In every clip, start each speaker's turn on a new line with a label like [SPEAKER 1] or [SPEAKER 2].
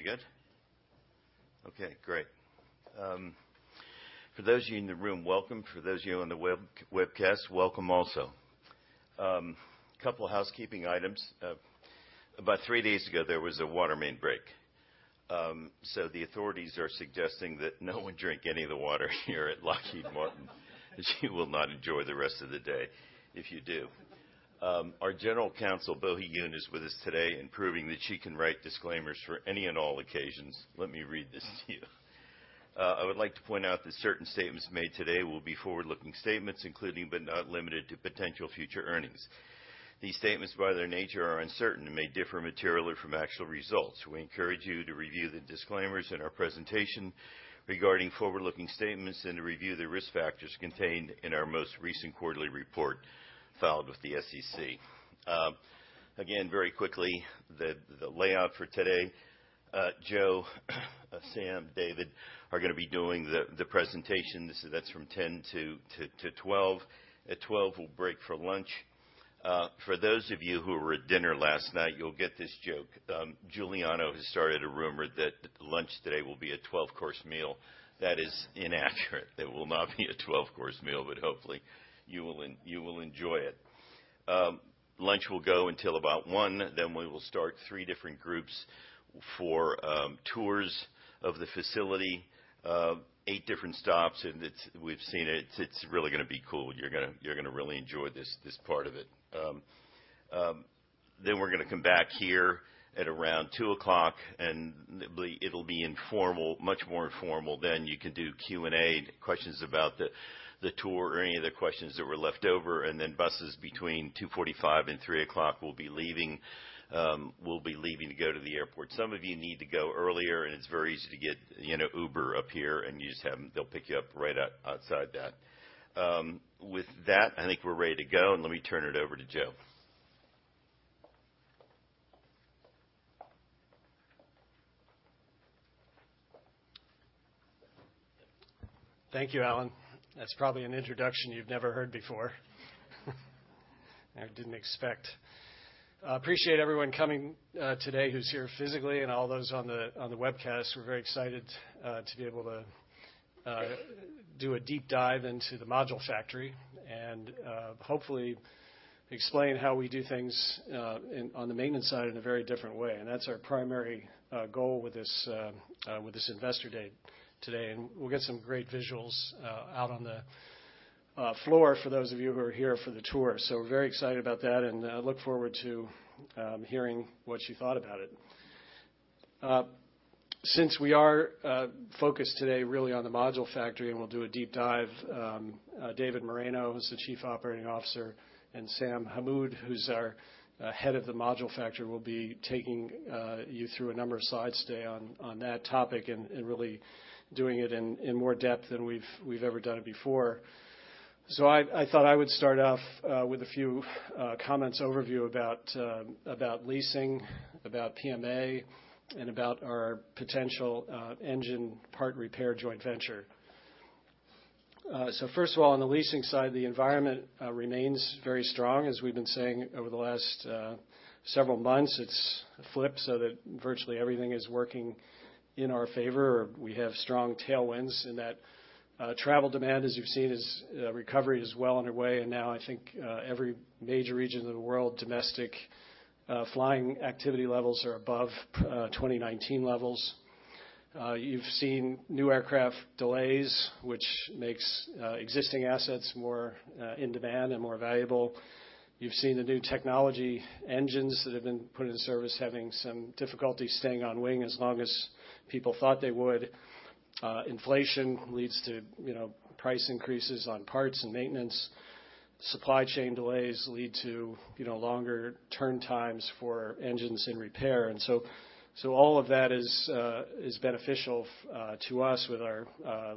[SPEAKER 1] We good? Okay, great. For those of you in the room, welcome. For those of you on the webcast, welcome also. Couple of housekeeping items. About three days ago, there was a water main break. The authorities are suggesting that no one drink any of the water here at Lockheed Martin, as you will not enjoy the rest of the day if you do. Our General Counsel, BoHee Yoon, is with us today and proving that she can write disclaimers for any and all occasions. Let me read this to you. I would like to point out that certain statements made today will be forward-looking statements, including, but not limited to, potential future earnings. These statements, by their nature, are uncertain and may differ materially from actual results. We encourage you to review the disclaimers in our presentation regarding forward-looking statements and to review the risk factors contained in our most recent quarterly report filed with the SEC. Again, very quickly, the layout for today, Joe, Sam, David, are gonna be doing the presentation. That's from 10 A.M. to 12 P.M.. At 12 P.M., we'll break for lunch. For those of you who were at dinner last night, you'll get this joke: Giuliano has started a rumor that lunch today will be a 12-course meal. That is inaccurate. There will not be a 12-course meal, but hopefully you will enjoy it. Lunch will go until about 1 P.M., then we will start three different groups for tours of the facility. Eight different stops, and we've seen it. It's really gonna be cool. You're gonna really enjoy this part of it. We're gonna come back here at around 2:00 P.M., and it'll be informal, much more informal. You can do Q&A, questions about the tour or any of the questions that were left over. Buses between 2:45 P.M. and 3:00 P.M. will be leaving to go to the airport. Some of you need to go earlier, it's very easy to get, you know, Uber up here, and you just have them. They'll pick you up right outside that. With that, I think we're ready to go, let me turn it over to Joe.
[SPEAKER 2] Thank you, Alan. That's probably an introduction you've never heard before, or didn't expect. I appreciate everyone coming today, who's here physically and all those on the webcast. We're very excited to be able to do a deep dive into the module factory and hopefully explain how we do things on the maintenance side in a very different way. That's our primary goal with this investor day today, and we'll get some great visuals out on the floor for those of you who are here for the tour. We're very excited about that and look forward to hearing what you thought about it. Since we are focused today really on the module factory, and we'll do a deep dive, David Moreno, who's the Chief Operating Officer, and Sam Hammoud, who's our Head of the Module Factory, will be taking you through a number of slides today on that topic and really doing it in more depth than we've ever done it before. I thought I would start off with a few comments overview about leasing, about PMA, and about our potential engine part repair joint venture. First of all, on the leasing side, the environment remains very strong. As we've been saying over the last several months, it's flipped so that virtually everything is working in our favor, or we have strong tailwinds in that travel demand, as you've seen, is recovery is well underway. Now I think every major region of the world, domestic flying activity levels are above 2019 levels. You've seen new aircraft delays, which makes existing assets more in demand and more valuable. You've seen the new technology engines that have been put into service, having some difficulty staying on wing as long as people thought they would. Inflation leads to, you know, price increases on parts and maintenance. Supply chain delays lead to, you know, longer turn times for engines in repair. So all of that is beneficial to us with our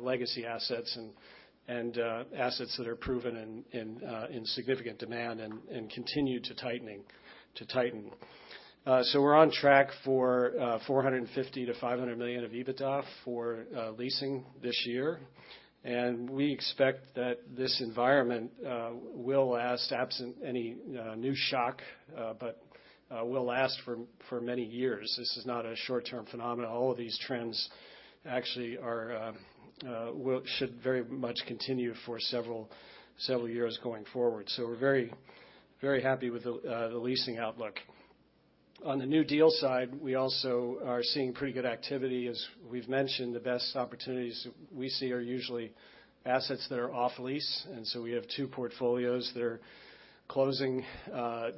[SPEAKER 2] legacy assets and assets that are proven and in significant demand and continue to tighten. So we're on track for $450 million-$500 million of EBITDA for leasing this year, and we expect that this environment will last, absent any new shock, but will last for many years. This is not a short-term phenomenon. All of these trends actually are should very much continue for several years going forward. We're very happy with the leasing outlook. On the new deal side, we also are seeing pretty good activity. As we've mentioned, the best opportunities we see are usually assets that are off lease. We have two portfolios that are closing,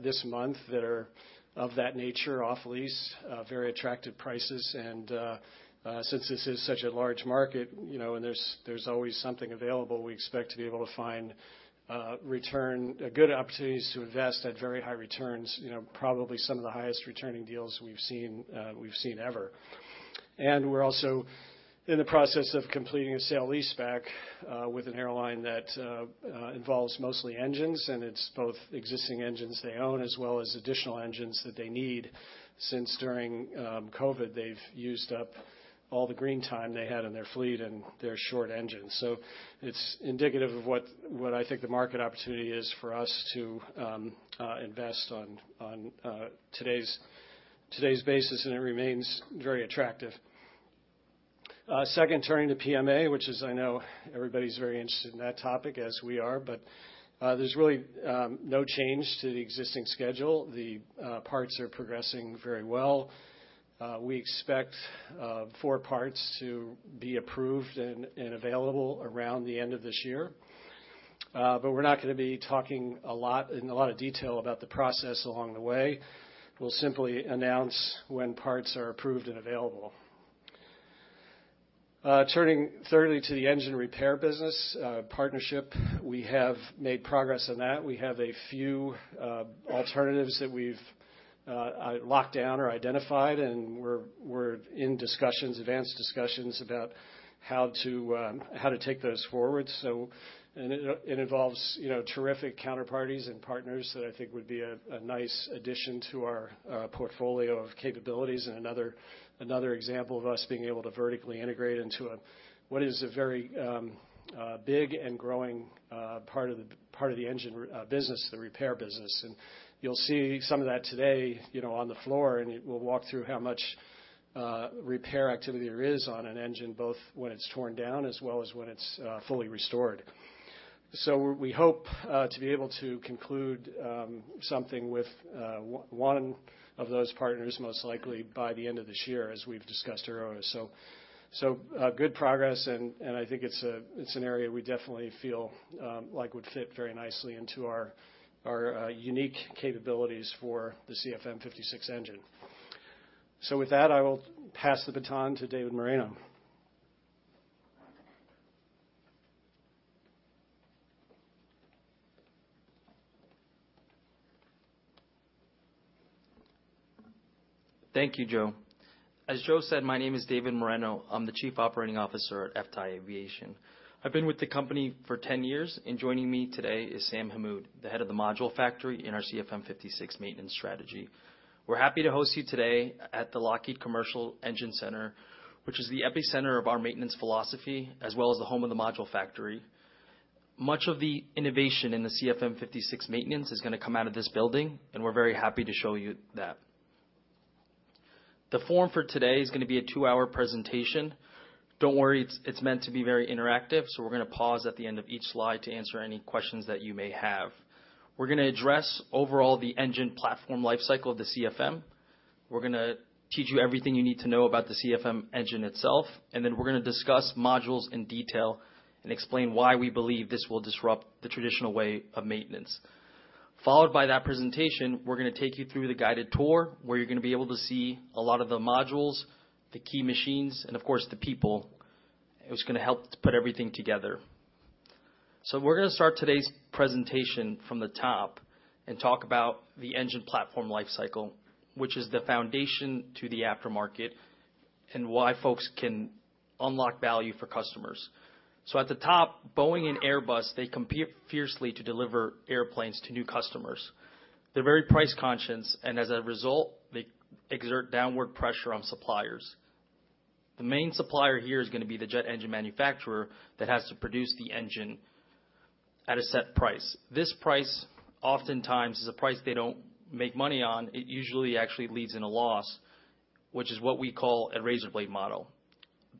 [SPEAKER 2] this month that are of that nature, off lease, very attractive prices. Since this is such a large market, you know, and there's always something available, we expect to be able to find good opportunities to invest at very high returns. You know, probably some of the highest-returning deals we've seen ever. We're also in the process of completing a sale-leaseback with an airline that involves mostly engines, and it's both existing engines they own as well as additional engines that they need, since during COVID, they've used up all the green time they had on their fleet and they're short engines. It's indicative of what I think the market opportunity is for us to invest on today's basis, and it remains very attractive. Second, turning to PMA, which is I know everybody's very interested in that topic as we are, there's really no change to the existing schedule. The parts are progressing very well. We expect four parts to be approved and available around the end of this year. We're not gonna be talking a lot, in a lot of detail about the process along the way. We'll simply announce when parts are approved and available. Turning thirdly to the engine repair business partnership, we have made progress on that. We have a few alternatives that we've locked down or identified, and we're in discussions, advanced discussions about how to take those forward. It involves, you know, terrific counterparties and partners that I think would be a nice addition to our portfolio of capabilities and another example of us being able to vertically integrate into a, what is a very big and growing part of the engine repair business. You'll see some of that today, you know, on the floor, and we'll walk through how much repair activity there is on an engine, both when it's torn down as well as when it's fully restored. We hope to be able to conclude something with one of those partners, most likely by the end of this year, as we've discussed earlier. Good progress, and I think it's an area we definitely feel like would fit very nicely into our unique capabilities for the CFM56 engine. With that, I will pass the baton to David Moreno.
[SPEAKER 3] Thank you, Joe. As Joe said, my name is David Moreno. I'm the Chief Operating Officer at FTAI Aviation. I've been with the company for 10 years, and joining me today is Sam Hammoud, the Head of the Module Factory in our CFM56 maintenance strategy. We're happy to host you today at the Lockheed Commercial Engine Center, which is the epicenter of our maintenance philosophy, as well as the home of the Module Factory. Much of the innovation in the CFM56 maintenance is gonna come out of this building, and we're very happy to show you that. The forum for today is gonna be a 2-hour presentation. Don't worry, it's meant to be very interactive, so we're gonna pause at the end of each slide to answer any questions that you may have. We're gonna address overall the engine platform lifecycle of the CFM. We're gonna teach you everything you need to know about the CFM engine itself, and then we're gonna discuss modules in detail and explain why we believe this will disrupt the traditional way of maintenance. Followed by that presentation, we're gonna take you through the guided tour, where you're gonna be able to see a lot of the modules, the key machines, and of course, the people, which is gonna help to put everything together. We're gonna start today's presentation from the top and talk about the engine platform lifecycle, which is the foundation to the aftermarket, and why folks can unlock value for customers. At the top, Boeing and Airbus, they compete fiercely to deliver airplanes to new customers. They're very price-conscious, and as a result, they exert downward pressure on suppliers. The main supplier here is gonna be the jet engine manufacturer that has to produce the engine at a set price. This price oftentimes is a price they don't make money on. It usually actually leads in a loss, which is what we call a razor blade model.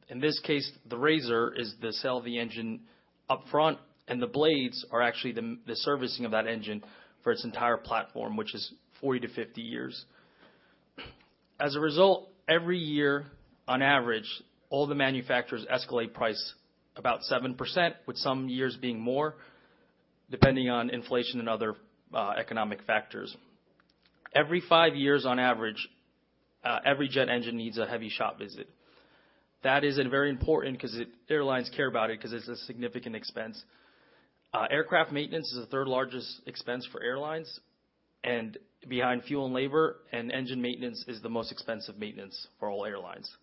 [SPEAKER 3] In this case, the razor is the sale of the engine upfront, and the blades are actually the servicing of that engine for its entire platform, which is 40 - 50 years. As a result, every year, on average, all the manufacturers escalate price about 7%, with some years being more, depending on inflation and other economic factors. Every five years on average, every jet engine needs a heavy shop visit. That is very important 'cause airlines care about it, 'cause it's a significant expense. Aircraft maintenance is the third largest expense for airlines, behind fuel and labor. Engine maintenance is the most expensive maintenance for all airlines.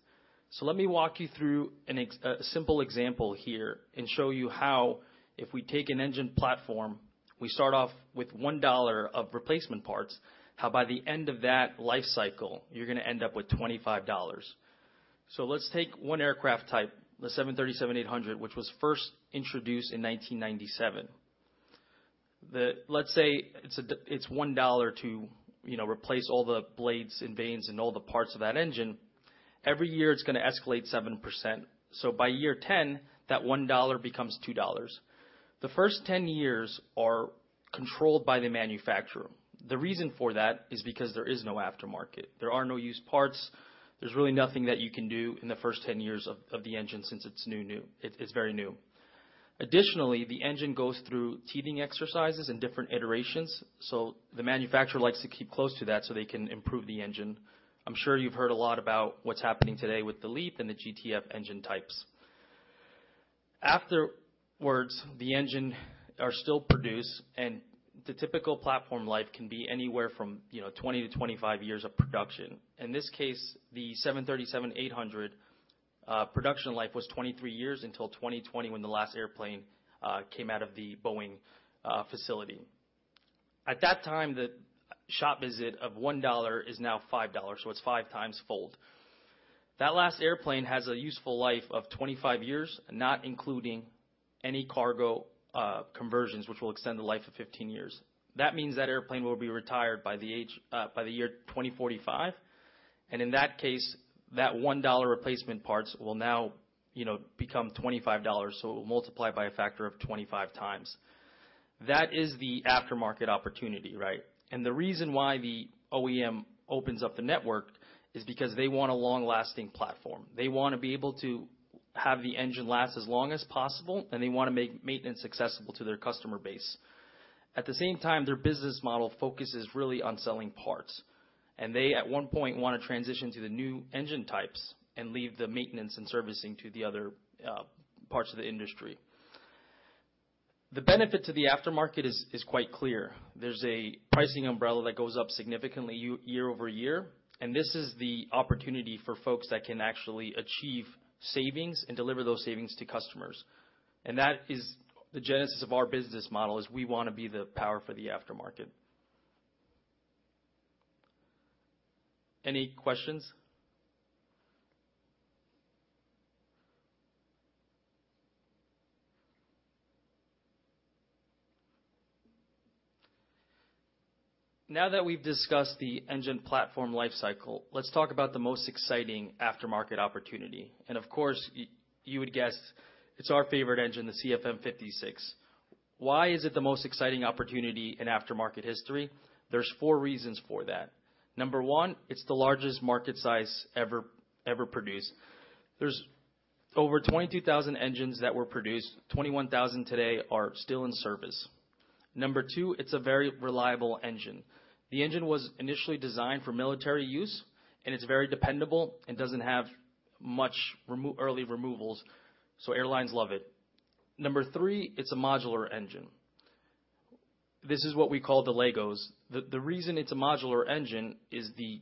[SPEAKER 3] Let me walk you through a simple example here and show you how, if we take an engine platform, we start off with $1 of replacement parts, how by the end of that life cycle, you're gonna end up with $25. Let's take one aircraft type, the 737-800, which was first introduced in 1997. Let's say it's $1 to, you know, replace all the blades and vanes and all the parts of that engine. Every year, it's gonna escalate 7%. By year 10, that $1 becomes $2. The first 10 years are controlled by the manufacturer. The reason for that is because there is no aftermarket. There are no used parts. There's really nothing that you can do in the first 10 years of the engine since it's new. It's very new. Additionally, the engine goes through teething exercises and different iterations, so the manufacturer likes to keep close to that, so they can improve the engine. I'm sure you've heard a lot about what's happening today with the LEAP and the GTF engine types. Afterwards, the engine are still produced, and the typical platform life can be anywhere from, you know, 20 to 25 years of production. In this case, the 737-800 production life was 23 years until 2020, when the last airplane came out of the Boeing facility. At that time, the shop visit of $1 is now $5, so it's 5 times fold. That last airplane has a useful life of 25 years, not including any cargo conversions, which will extend the life of 15 years. That means that airplane will be retired by the year 2045, and in that case, that $1 replacement parts will now, you know, become $25, so it will multiply by a factor of 25 times. That is the aftermarket opportunity, right? The reason why the OEM opens up the network is because they want a long-lasting platform. They wanna be able to have the engine last as long as possible, and they wanna make maintenance accessible to their customer base. At the same time, their business model focuses really on selling parts, and they, at one point, wanna transition to the new engine types and leave the maintenance and servicing to the other parts of the industry. The benefit to the aftermarket is quite clear. There's a pricing umbrella that goes up significantly year-over-year, this is the opportunity for folks that can actually achieve savings and deliver those savings to customers. That is the genesis of our business model, is we wanna be the power for the aftermarket. Any questions? Now that we've discussed the engine platform life cycle, let's talk about the most exciting aftermarket opportunity. Of course, you would guess it's our favorite engine, the CFM56. Why is it the most exciting opportunity in aftermarket history? There's four reasons for that. Number one, it's the largest market size ever produced. There's over 22,000 engines that were produced. 21,000 today are still in service. Number two, it's a very reliable engine. The engine was initially designed for military use, and it's very dependable and doesn't have much early removals, so airlines love it. Number three, it's a modular engine. This is what we call the Legos. The reason it's a modular engine is the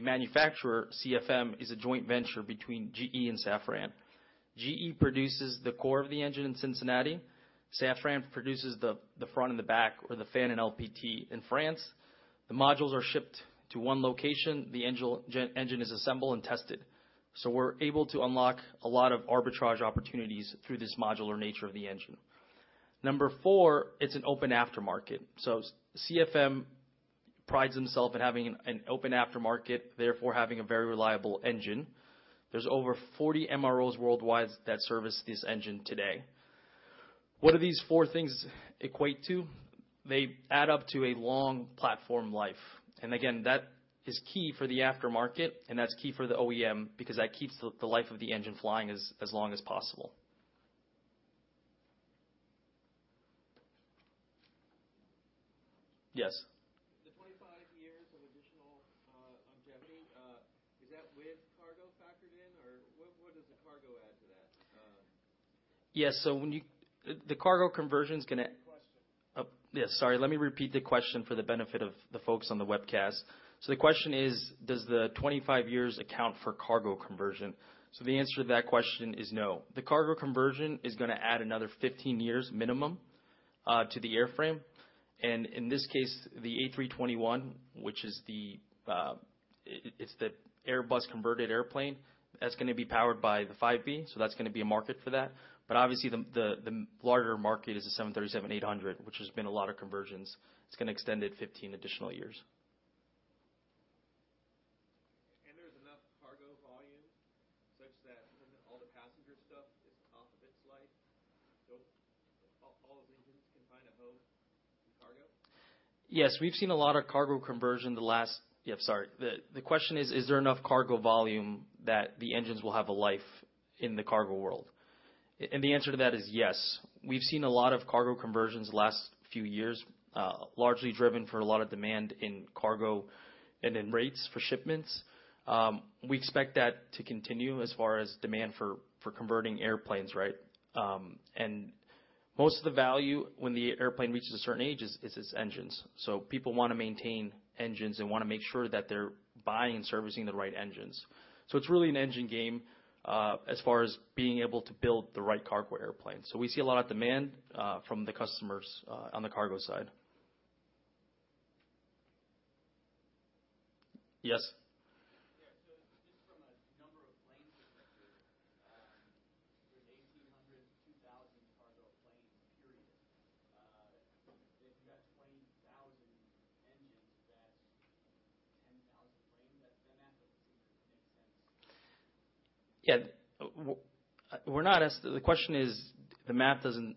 [SPEAKER 3] manufacturer, CFM, is a joint venture between GE and Safran. GE produces the core of the engine in Cincinnati. Safran produces the front and the back, or the fan and LPT in France. The modules are shipped to one location, the engine is assembled and tested. We're able to unlock a lot of arbitrage opportunities through this modular nature of the engine. Number four, it's an open aftermarket. CFM prides themselves in having an open aftermarket, therefore, having a very reliable engine. There's over 40 MROs worldwide that service this engine today. What do these four things equate to? They add up to a long platform life. Again, that is key for the aftermarket, and that's key for the OEM because that keeps the life of the engine flying as long as possible. Yes?
[SPEAKER 4] The 25 years of additional longevity, is that with cargo factored in, or what does the cargo add to that?
[SPEAKER 3] Yes, The cargo conversion's gonna-.
[SPEAKER 5] Repeat the question.
[SPEAKER 3] Yes, sorry. Let me repeat the question for the benefit of the folks on the webcast. The question is, does the 25 years account for cargo conversion? The answer to that question is no. The cargo conversion is gonna add another 15 years minimum to the airframe, and in this case, the A321, which is the Airbus converted airplane, that's gonna be powered by the 5B, so that's gonna be a market for that. Obviously, the larger market is the 737-800, which has been a lot of conversions. It's gonna extend it 15 additional years.
[SPEAKER 4] There's enough cargo volume such that when all the passenger stuff is off of it's like, all those engines can find a home in cargo?
[SPEAKER 3] Yes, we've seen a lot of cargo conversion in the last. Yeah, sorry. The question is there enough cargo volume that the engines will have a life in the cargo world? The answer to that is yes. We've seen a lot of cargo conversions the last few years, largely driven for a lot of demand in cargo and in rates for shipments. We expect that to continue as far as demand for converting airplanes, right? Most of the value when the airplane reaches a certain age is its engines. People wanna maintain engines and wanna make sure that they're buying and servicing the right engines. It's really an engine game, as far as being able to build the right cargo airplane. We see a lot of demand from the customers on the cargo side. Yes.
[SPEAKER 4] Just from a number of plane manufacturers, there's 1,800 to 2,000 cargo planes, period. If you got 20,000 engines, that's 10,000 planes. That math doesn't seem to make sense.
[SPEAKER 3] Yeah, we're not as the question is, the math doesn't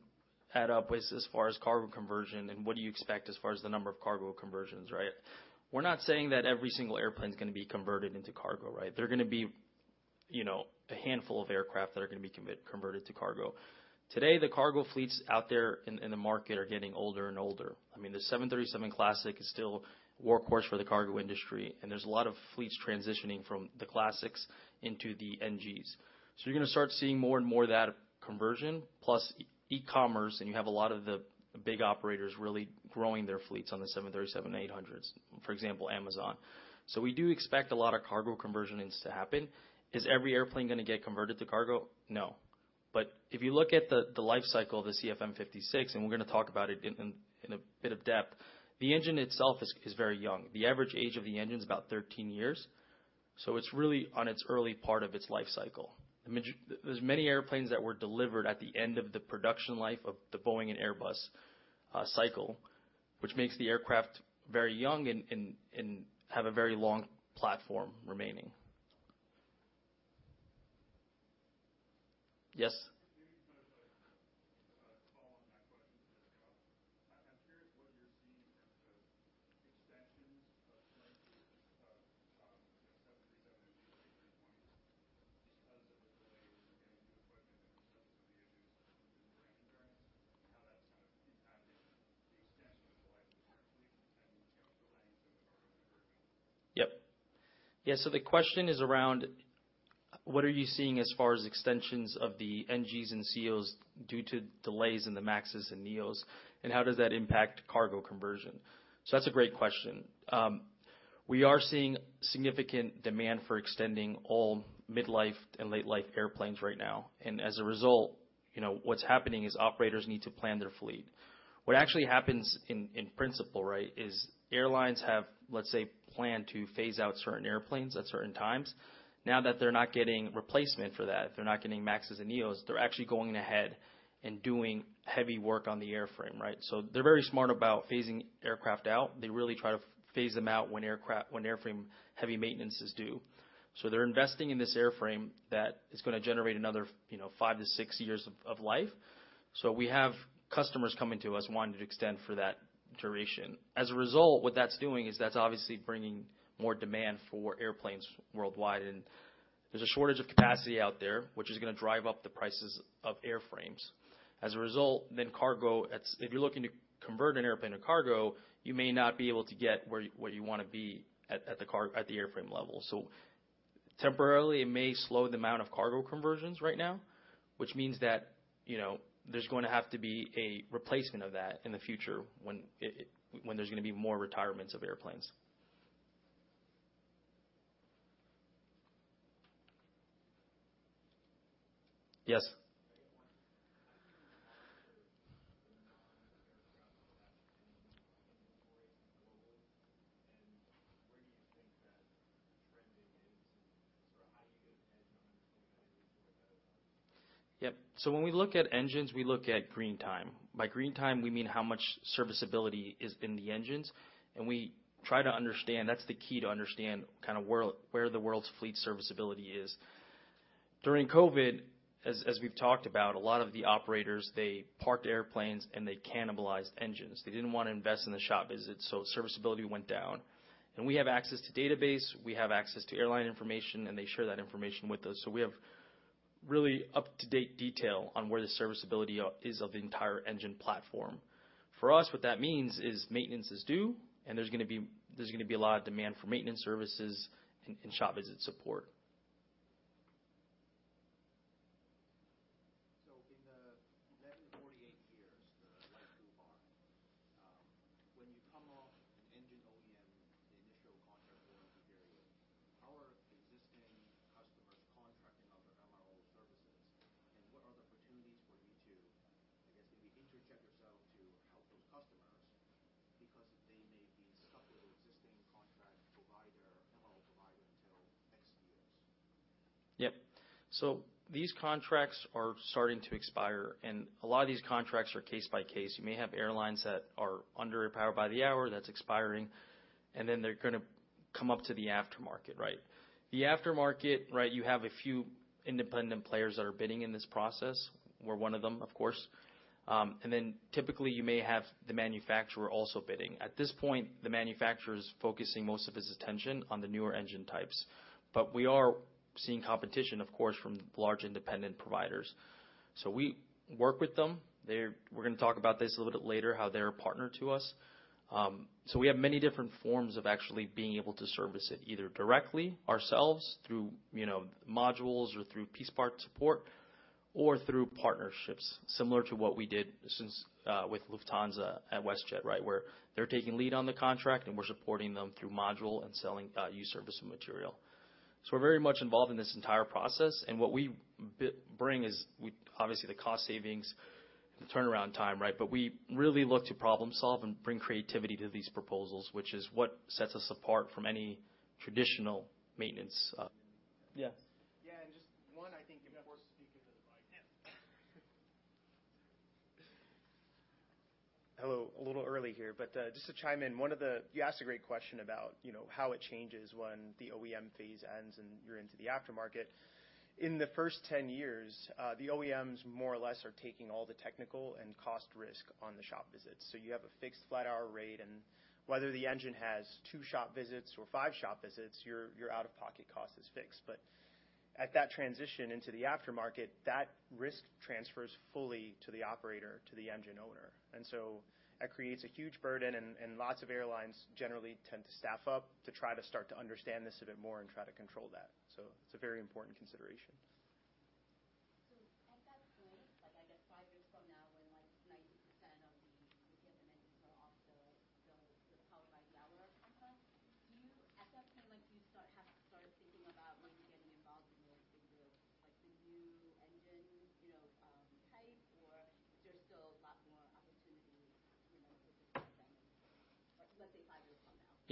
[SPEAKER 3] add up with as far as cargo conversion and what do you expect as far as the number of cargo conversions, right? We're not saying that every single airplane is gonna be converted into cargo, right? They're gonna be, you know, a handful of aircraft that are going to be converted to cargo. Today, the cargo fleets out there in the market are getting older and older. I mean, the 737 Classic is still a workhorse for the cargo industry, and there's a lot of fleets transitioning from the Classics into the NGs. You're going to start seeing more and more of that conversion. Plus, e-commerce, and you have a lot of the big operators really growing their fleets on the 737-800s, for example, Amazon. We do expect a lot of cargo conversionings to happen. Is every airplane going to get converted to cargo? No. If you look at the life cycle of the CFM56, and we're going to talk about it in a bit of depth, the engine itself is very young. The average age of the engine is about 13 years. It's really on its early part of its life cycle. I mean, there's many airplanes that were delivered at the end of the production life of the Boeing and Airbus cycle, which makes the aircraft very young and have a very long platform remaining. Yes?
[SPEAKER 5] Kind of a follow on that question as well. I'm curious what you're seeing in terms of extensions of life of the 737 and A320, just because of the delays in getting new equipment and the issues with insurance, how that's kind of impacted the extension of life and the current fleet and potential length of the cargo conversion?
[SPEAKER 3] Yep. Yeah, the question is around: what are you seeing as far as extensions of the NGs and COs due to delays in the MAXs and neos, and how does that impact cargo conversion? That's a great question. We are seeing significant demand for extending all mid-life and late-life airplanes right now, and as a result, you know, what's happening is operators need to plan their fleet. What actually happens in principle, right, is airlines have, let's say, planned to phase out certain airplanes at certain times. Now that they're not getting replacement for that, they're not getting MAXs and neos, they're actually going ahead and doing heavy work on the airframe, right? They're very smart about phasing aircraft out. They really try to phase them out when airframe heavy maintenance is due. They're investing in this airframe that is going to generate another, you know, 5 to 6 years of life. We have customers coming to us, wanting to extend for that duration. As a result, what that's doing is that's obviously bringing more demand for airplanes worldwide, and there's a shortage of capacity out there, which is going to drive up the prices of airframes. As a result, then cargo, if you're looking to convert an airplane to cargo, you may not be able to get where you want to be at the airframe level. Temporarily, it may slow the amount of cargo conversions right now, which means that, you know, there's going to have to be a replacement of that in the future when there's going to be more retirements of airplanes. Yes. global and where do you think that trending is Yep. When we look at engines, we look at green time. By green time, we mean how much serviceability is in the engines, and we try to understand where the world's fleet serviceability is. During COVID, as we've talked about, a lot of the operators, they parked airplanes, and they cannibalized engines. They didn't want to invest in the shop visits, serviceability went down. We have access to database, we have access to airline information, and they share that information with us. We have really up-to-date detail on where the serviceability is of the entire engine platform. For us, what that means is maintenance is due, and there's going to be a lot of demand for maintenance services and shop visit support.
[SPEAKER 5] In the 94 to 8 years, the life so far, when you come off an engine OEM, the initial contract warranty period, how are existing customers contracting other MRO services, and what are the opportunities for you to, I guess, maybe interject yourself to help those customers because they may be stuck with an existing contract provider, MRO provider, until X years?
[SPEAKER 3] Yep. These contracts are starting to expire, and a lot of these contracts are case by case. You may have airlines that are under power by the hour, that's expiring, and then they're gonna come up to the aftermarket, right? The aftermarket, right, you have a few independent players that are bidding in this process. We're one of them, of course. Typically, you may have the manufacturer also bidding. At this point, the manufacturer is focusing most of his attention on the newer engine types. We are seeing competition, of course, from large independent providers. We work with them. We're going to talk about this a little bit later, how they're a partner to us. We have many different forms of actually being able to service it, either directly ourselves through, you know, modules or through piece part support, or through partnerships, similar to what we did since with Lufthansa at WestJet, right? Where they're taking lead on the contract, and we're supporting them through module and selling, you service and material. We're very much involved in this entire process, and what we bring is obviously, the cost savings, the turnaround time, right? We really look to problem solve and bring creativity to these proposals, which is what sets us apart from any traditional maintenance. Yes.
[SPEAKER 6] Yeah, and just one, I think, important-
[SPEAKER 5] You have to speak into the mic.
[SPEAKER 6] Hello, a little early here, just to chime in. You asked a great question about, you know, how it changes when the OEM phase ends and you're into the aftermarket. In the first 10 years, the OEMs more or less, are taking all the technical and cost risk on the shop visits. You have a fixed flat hour rate, and whether the engine has 2 shop visits or 5 shop visits, your out-of-pocket cost is fixed....
[SPEAKER 3] at that transition into the aftermarket, that risk transfers fully to the operator, to the engine owner. That creates a huge burden, and lots of airlines generally tend to staff up to try to start to understand this a bit more and try to control that. It's a very important consideration.
[SPEAKER 7] At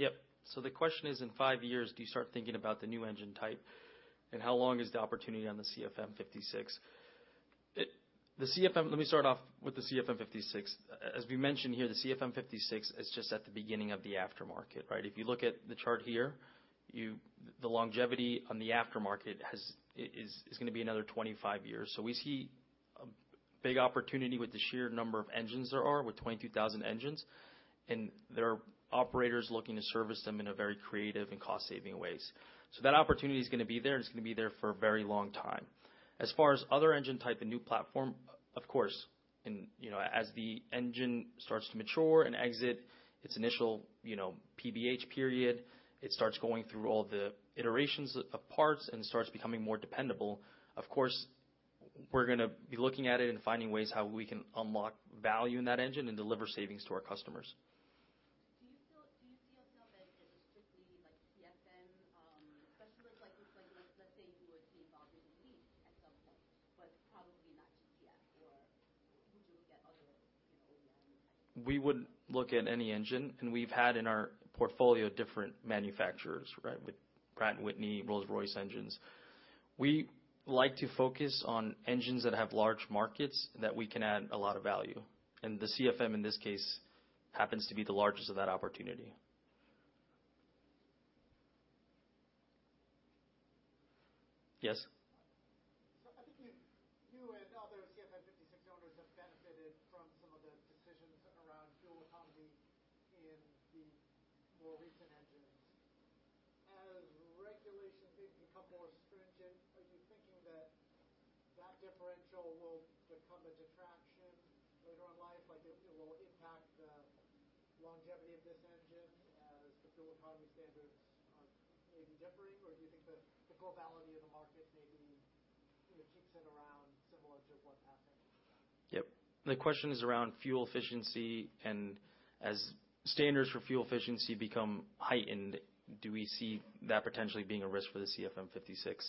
[SPEAKER 7] that point, like, I guess five years from now, when like 90% of the CFM engines are off the powered by the hour contract, do you, at that point, like, have to start thinking about maybe getting involved in more things with like the new engine, you know, type, or is there still a lot more opportunity, you know, with the CFM, like, let's say five years from now?
[SPEAKER 3] Yep. The question is, in 5 years, do you start thinking about the new engine type, and how long is the opportunity on the CFM56? Let me start off with the CFM56. As we mentioned here, the CFM56 is just at the beginning of the aftermarket, right? If you look at the chart here, the longevity on the aftermarket has, is gonna be another 25 years. We see a big opportunity with the sheer number of engines there are, with 22,000 engines, and there are operators looking to service them in a very creative and cost-saving ways. That opportunity is gonna be there, and it's gonna be there for a very long time. As far as other engine type and new platform, of course, and, you know, as the engine starts to mature and exit its initial, you know, PBH period, it starts going through all the iterations of parts and starts becoming more dependable, of course, we're gonna be looking at it and finding ways how we can unlock value in that engine and deliver savings to our customers.
[SPEAKER 7] Do you feel, do you see yourself as just strictly like CFM specialists? Like, say you would be involved in the LEAP at some point, but probably not GPS, or would you look at other OEM engines?
[SPEAKER 3] We would look at any engine, and we've had in our portfolio different manufacturers, right? With Pratt & Whitney, Rolls-Royce engines. We like to focus on engines that have large markets, that we can add a lot of value, and the CFM, in this case, happens to be the largest of that opportunity. Yes?
[SPEAKER 8] I think you and other CFM56 owners have benefited from some of the decisions around fuel economy in the more recent engines. Regulation become more stringent, are you thinking that that differential will become a detraction later on in life, like it will impact the longevity of this engine as the fuel economy standards are maybe differing? Or do you think that the totality of the market maybe, you know, keeps it around similar to what's happened?
[SPEAKER 3] Yep. The question is around fuel efficiency, and as standards for fuel efficiency become heightened, do we see that potentially being a risk for the CFM56's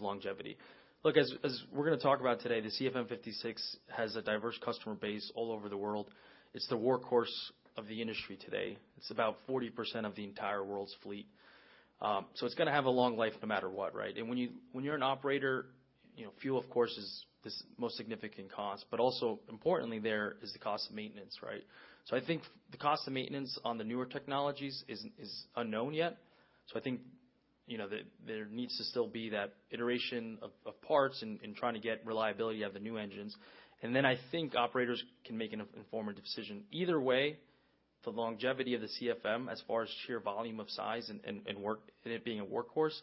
[SPEAKER 3] longevity? Look, as we're gonna talk about today, the CFM56 has a diverse customer base all over the world. It's the workhorse of the industry today. It's about 40% of the entire world's fleet. It's gonna have a long life no matter what, right? When you're an operator, you know, fuel, of course, is this most significant cost, but also importantly, there is the cost of maintenance, right? I think the cost of maintenance on the newer technologies is unknown yet. I think, you know, there needs to still be that iteration of parts and trying to get reliability of the new engines. I think operators can make an informed decision. Either way, the longevity of the CFM as far as sheer volume of size and it being a workhorse,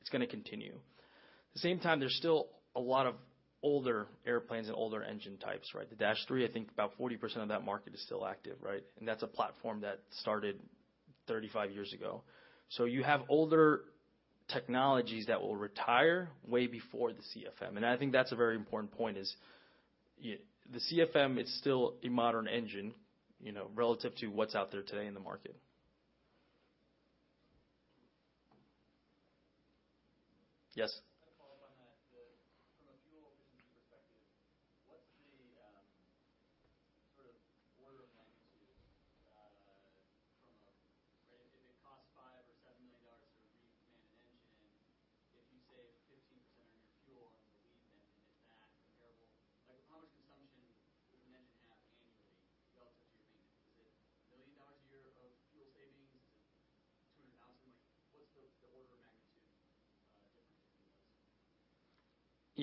[SPEAKER 3] it's gonna continue. At the same time, there's still a lot of older airplanes and older engine types, right? The Dash 3, I think about 40% of that market is still active, right? That's a platform that started 35 years ago. You have older technologies that will retire way before the CFM, and I think that's a very important point, is the CFM is still a modern engine, you know, relative to what's out there today in the market. Yes?
[SPEAKER 8] To follow up on that, from a fuel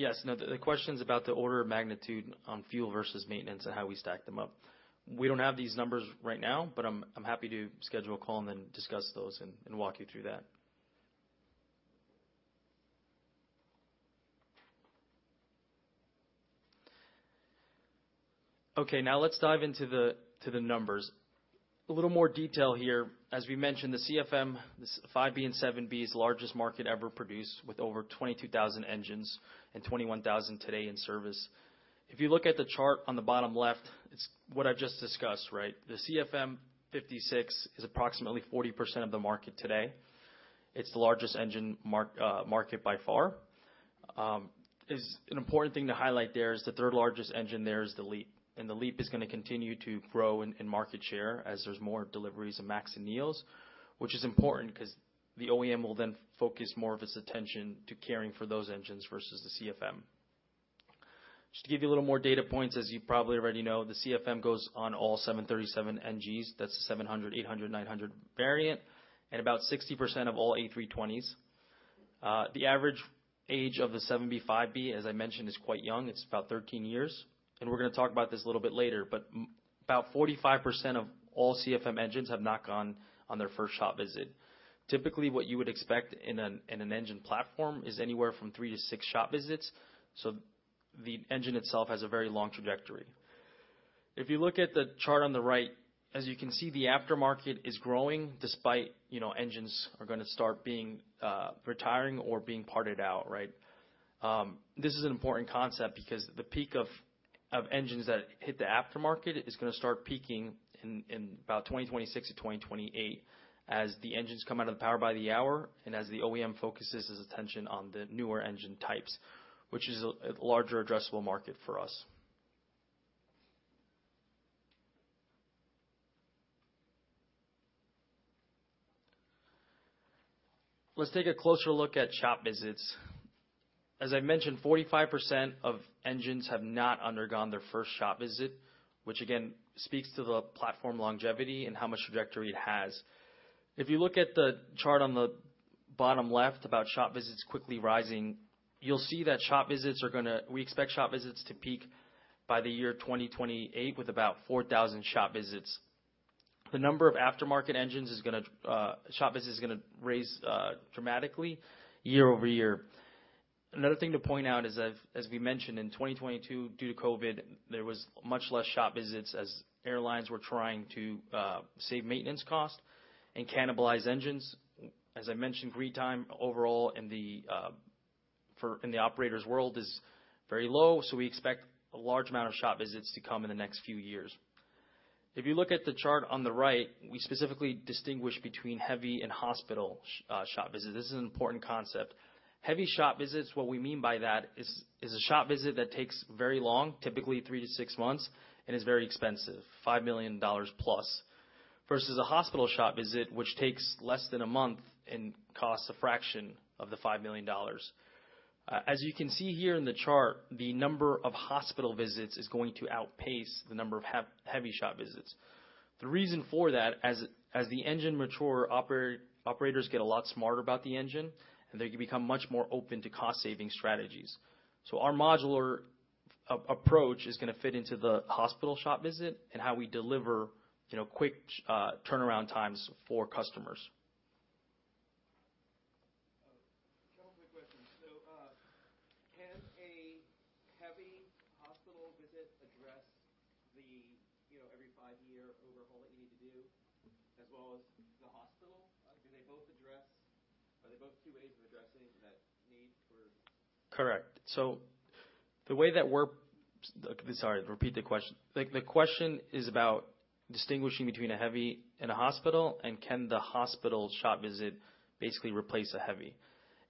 [SPEAKER 8] efficiency perspective, what's the sort of order of magnitude from a... Right, if it costs $5 million or $7 million to revamp an engine, if you save 15% on your fuel over the week, then is that comparable? Like, how much consumption does an engine have annually relative to your maintenance? Is it $1 million a year of fuel savings? Is it $200,000? Like, what's the order of magnitude difference?
[SPEAKER 3] Yes. No, the question's about the order of magnitude on fuel versus maintenance and how we stack them up. We don't have these numbers right now, but I'm happy to schedule a call and then discuss those and walk you through that. Let's dive into the numbers. A little more detail here. As we mentioned, the CFM, this 5B and 7B's largest market ever produced, with over 22,000 engines and 21,000 today in service. If you look at the chart on the bottom left, it's what I've just discussed, right? The CFM56 is approximately 40% of the market today. It's the largest engine market by far. is... An important thing to highlight there is the third largest engine there is the LEAP. The LEAP is going to continue to grow in market share as there's more deliveries of MAX and neo, which is important because the OEM will then focus more of its attention to caring for those engines versus the CFM. Just to give you a little more data points, as you probably already know, the CFM goes on all 737NGs. That's the 700, 800, 900 variant, about 60% of all A320s. The average age of the 7B/5B, as I mentioned, is quite young. It's about 13 years. We're going to talk about this a little bit later, but about 45% of all CFM engines have not gone on their first shop visit. Typically, what you would expect in an engine platform is anywhere from three to six shop visits, so the engine itself has a very long trajectory. If you look at the chart on the right, as you can see, the aftermarket is growing despite, you know, engines are going to start being retiring or being parted out, right? This is an important concept because the peak of engines that hit the aftermarket is going to start peaking in about 2026 to 2028 as the engines come out of the power by the hour, and as the OEM focuses its attention on the newer engine types, which is a larger addressable market for us. Let's take a closer look at shop visits. As I mentioned, 45% of engines have not undergone their first shop visit, which again, speaks to the platform longevity and how much trajectory it has. If you look at the chart on the bottom left about shop visits quickly rising, you'll see that We expect shop visits to peak by the year 2028 with about 4,000 shop visits. shop visits is gonna raise dramatically year over year. Another thing to point out is that as we mentioned in 2022, due to COVID, there was much less shop visits as airlines were trying to save maintenance costs and cannibalize engines. As I mentioned, green time overall in the operators world is very low, so we expect a large amount of shop visits to come in the next few years. If you look at the chart on the right, we specifically distinguish between heavy and hospital shop visits. This is an important concept. Heavy shop visits, what we mean by that is a shop visit that takes very long, typically 3-6 months, and is very expensive, $5 million+, versus a hospital shop visit, which takes less than a month and costs a fraction of the $5 million. As you can see here in the chart, the number of hospital visits is going to outpace the number of heavy shop visits. The reason for that, as the engine mature, operators get a lot smarter about the engine, and they become much more open to cost saving strategies. Our modular approach is gonna fit into the hospital shop visit and how we deliver, you know, quick turnaround times for customers.
[SPEAKER 9] A couple quick questions. Can a heavy hospital visit address the, you know, every 5-year overhaul that you need to do, as well as the hospital? Are they both two ways of addressing that need for?
[SPEAKER 3] Correct. Sorry, repeat the question. The question is about distinguishing between a heavy and a hospital, and can the hospital shop visit basically replace a heavy?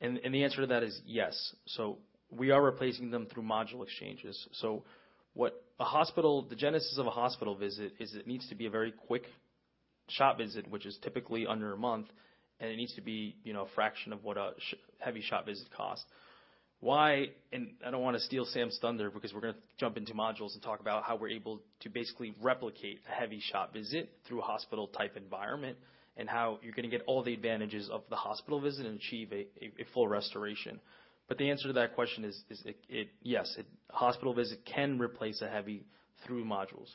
[SPEAKER 3] The answer to that is yes. We are replacing them through module exchanges. What the genesis of a hospital visit is it needs to be a very quick shop visit, which is typically under a month, and it needs to be, you know, a fraction of what a heavy shop visit costs. Why? I don't want to steal Sam's thunder, because we're gonna jump into modules and talk about how we're able to basically replicate a heavy shop visit through a hospital-type environment, and how you're gonna get all the advantages of the hospital visit and achieve a full restoration. The answer to that question is, it. Yes, a hospital visit can replace a heavy through modules.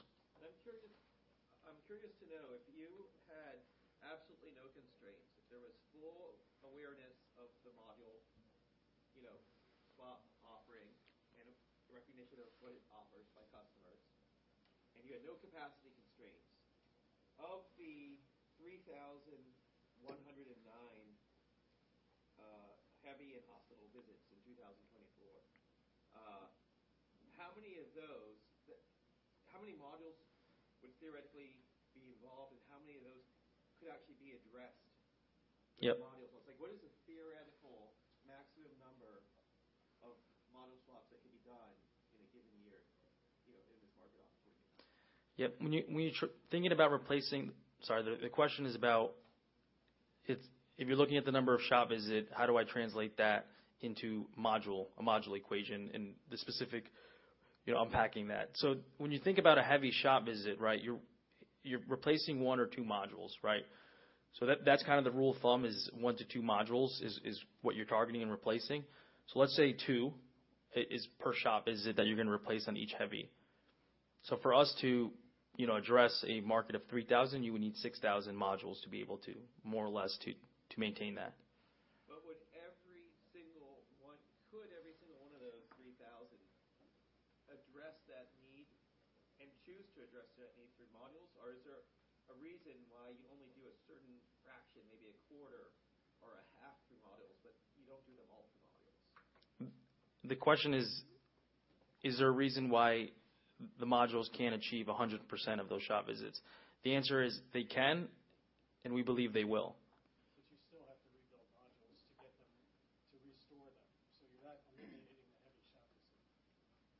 [SPEAKER 9] I'm curious to know if you had absolutely no constraints, if there was full awareness of the module, you know, swap, offering, and a recognition of what it offers by customers, and you had no capacity constraints. Of the 3,109 heavy and hospital visits in 2024, how many of those, how many modules would theoretically be involved, and how many of those could actually be addressed?
[SPEAKER 3] Yep.
[SPEAKER 9] -by modules? Like, what is the theoretical maximum number of module swaps that can be done in a given year, you know, in this market opportunity?
[SPEAKER 3] Yep. When you thinking about replacing... Sorry, the question is about if you're looking at the number of shop visit, how do I translate that into module, a module equation and the specific, you know, unpacking that? When you think about a heavy shop visit, right, you're replacing one or two modules, right? That's kind of the rule of thumb, is one to two modules is what you're targeting and replacing. Let's say two is per shop visit, that you're going to replace on each heavy. For us to, you know, address a market of 3,000, you would need 6,000 modules to be able to more or less to maintain that.
[SPEAKER 9] Could every single one of those 3,000 address that need and choose to address that need through modules? Is there a reason why you only do a certain fraction, maybe a quarter or a half through modules, but you don't do them all through modules?
[SPEAKER 3] The question is: Is there a reason why the modules can't achieve 100% of those shop visits? The answer is they can. We believe they will.
[SPEAKER 2] You still have to rebuild modules to get them, to restore them, so you're not eliminating the heavy shop visit.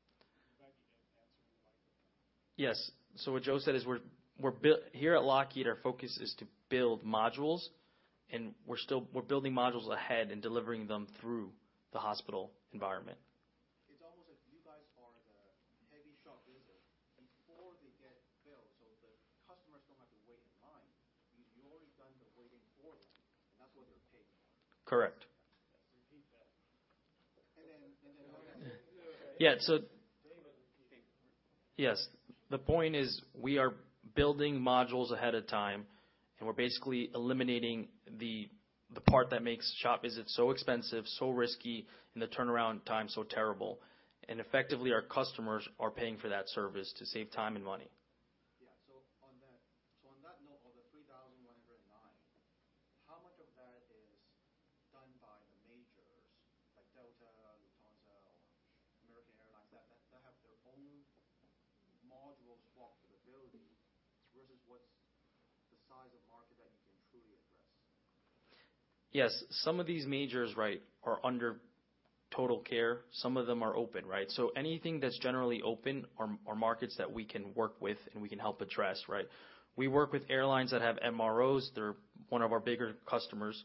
[SPEAKER 2] You might be getting an answer you like.
[SPEAKER 3] Yes. what Joe said is we're here at Lockheed, our focus is to build modules, and we're still building modules ahead and delivering them through the hospital environment.
[SPEAKER 8] It's almost as if you guys are the heavy shop visit before they get built, so the customers don't have to wait in line. You've already done the waiting for them, and that's what they're paying for.
[SPEAKER 3] Correct.
[SPEAKER 2] Repeat that.
[SPEAKER 4] And then, and then-
[SPEAKER 3] Yeah.
[SPEAKER 2] David.
[SPEAKER 3] Yes. The point is, we are building modules ahead of time. We're basically eliminating the part that makes shop visits so expensive, so risky, and the turnaround time so terrible. Effectively, our customers are paying for that service to save time and money.
[SPEAKER 9] Yeah. On that note, on the 3,109, how much of that is done by the majors, like Delta, Lufthansa, or American Airlines, that have their own module swap ability, versus what's the size of market that you can truly address?
[SPEAKER 3] Some of these majors, right, are under total care. Some of them are open, right? Anything that's generally open are markets that we can work with, and we can help address, right? We work with airlines that have MROs. They're one of our bigger customers.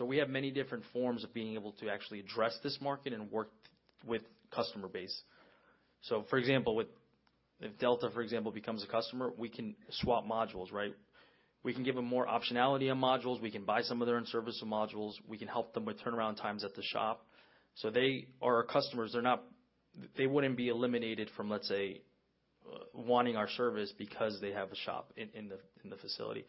[SPEAKER 3] We have many different forms of being able to actually address this market and work with customer base. For example, with If Delta, for example, becomes a customer, we can swap modules, right? We can give them more optionality on modules. We can buy some of their in-service modules. We can help them with turnaround times at the shop. They are our customers. They wouldn't be eliminated from, let's say, wanting our service because they have a shop in the facility.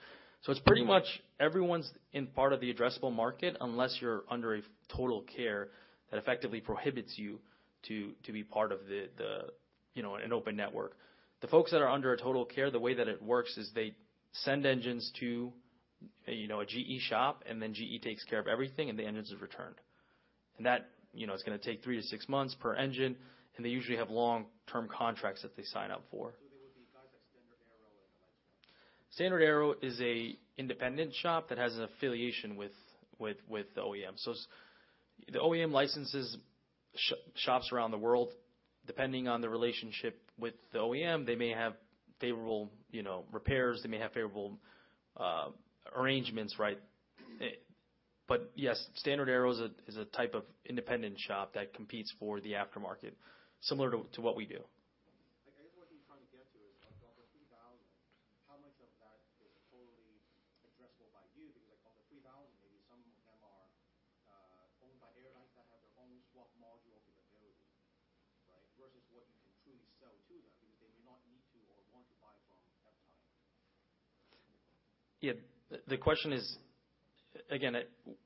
[SPEAKER 3] It's pretty much everyone's in part of the addressable market, unless you're under a total care that effectively prohibits you to be part of the, you know, an open network. The folks that are under a total care, the way that it works, is they send engines to, you know, a GE shop, and then GE takes care of everything, and the engines are returned. That, you know, is gonna take three to six months per engine, and they usually have long-term contracts that they sign up for.
[SPEAKER 9] They would be guys like StandardAero and the like?
[SPEAKER 3] StandardAero is a independent shop that has an affiliation with the OEM. The OEM licenses shops around the world, depending on the relationship with the OEM, they may have favorable, you know, repairs, they may have favorable arrangements, right? Yes, StandardAero is a type of independent shop that competes for the aftermarket, similar to what we do.
[SPEAKER 9] Like, I guess what we're trying to get to is, like, on the 3,000, how much of that is totally addressable by you? Like, on the 3,000, maybe some of them are owned by airlines that have their own swap module availability, right? Versus what you can truly sell to them, because they may not need to or want to buy from AeroThrust.
[SPEAKER 3] Yeah. The question is, again,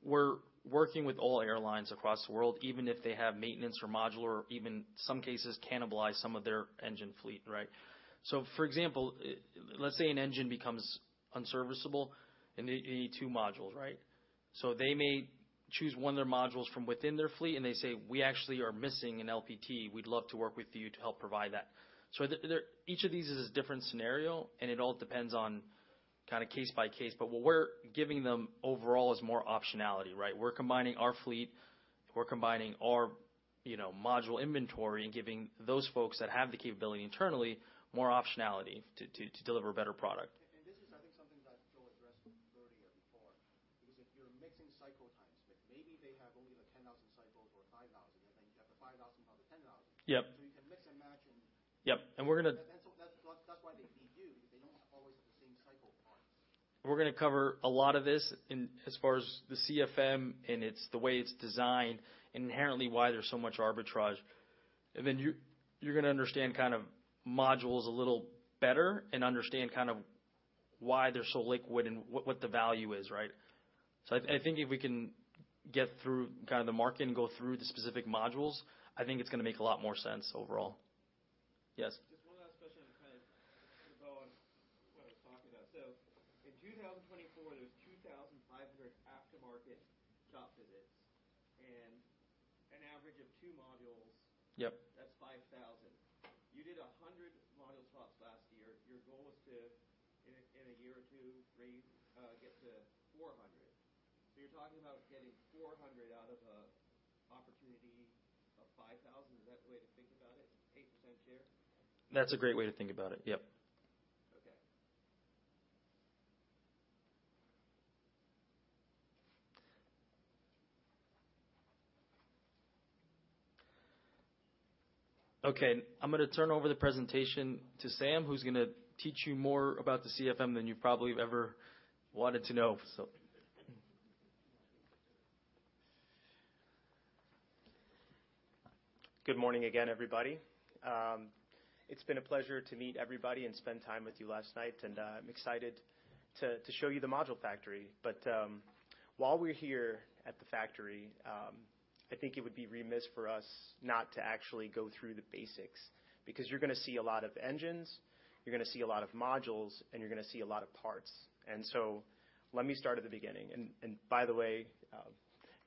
[SPEAKER 3] we're working with all airlines across the world, even if they have maintenance or modular, or even some cases, cannibalize some of their engine fleet, right? For example, let's say an engine becomes unserviceable, and you need two modules, right? They may choose one of their modules from within their fleet, and they say, "We actually are missing an LPT. We'd love to work with you to help provide that." Each of these is a different scenario, and it all depends on kind of case by case. What we're giving them overall is more optionality, right? We're combining our fleet, we're combining our, you know, module inventory and giving those folks that have the capability internally, more optionality to deliver a better product.
[SPEAKER 9] This is, I think, something that you'll address earlier before, because if you're mixing cycle times, but maybe they have only the 10,000 cycles or 5,000, and then you have the 5,000 or the 10,000.
[SPEAKER 3] Yep.
[SPEAKER 9] You can mix and match.
[SPEAKER 3] Yep. We're gonna-
[SPEAKER 9] That's why they need you. They don't always have the same cycle parts.
[SPEAKER 3] We're gonna cover a lot of this in as far as the CFM and the way it's designed, and inherently why there's so much arbitrage. Then you're gonna understand kind of modules a little better and understand kind of why they're so liquid and what the value is, right? I think if we can get through kind of the market and go through the specific modules, I think it's gonna make a lot more sense overall. Yes?
[SPEAKER 9] Just one last question, and kind of to go on what I was talking about. In 2024, there's 2,500 aftermarket shop visits and an average of two modules.
[SPEAKER 3] Yep.
[SPEAKER 10] That's 5,000. You did 100 module swaps last year. Your goal is to, in a year or 2, get to 400. You're talking about getting 400 out of a opportunity of 5,000. Is that the way to think about it, 8% share?
[SPEAKER 3] That's a great way to think about it. Yep.
[SPEAKER 10] Okay.
[SPEAKER 3] Okay, I'm gonna turn over the presentation to Sam, who's gonna teach you more about the CFM than you probably have ever wanted to know, so.
[SPEAKER 6] Good morning again, everybody. It's been a pleasure to meet everybody and spend time with you last night, and I'm excited to show you the module factory. But while we're here at the factory, I think it would be remiss for us not to actually go through the basics, because you're gonna see a lot of engines, you're gonna see a lot of modules, and you're gonna see a lot of parts. Let me start at the beginning. By the way,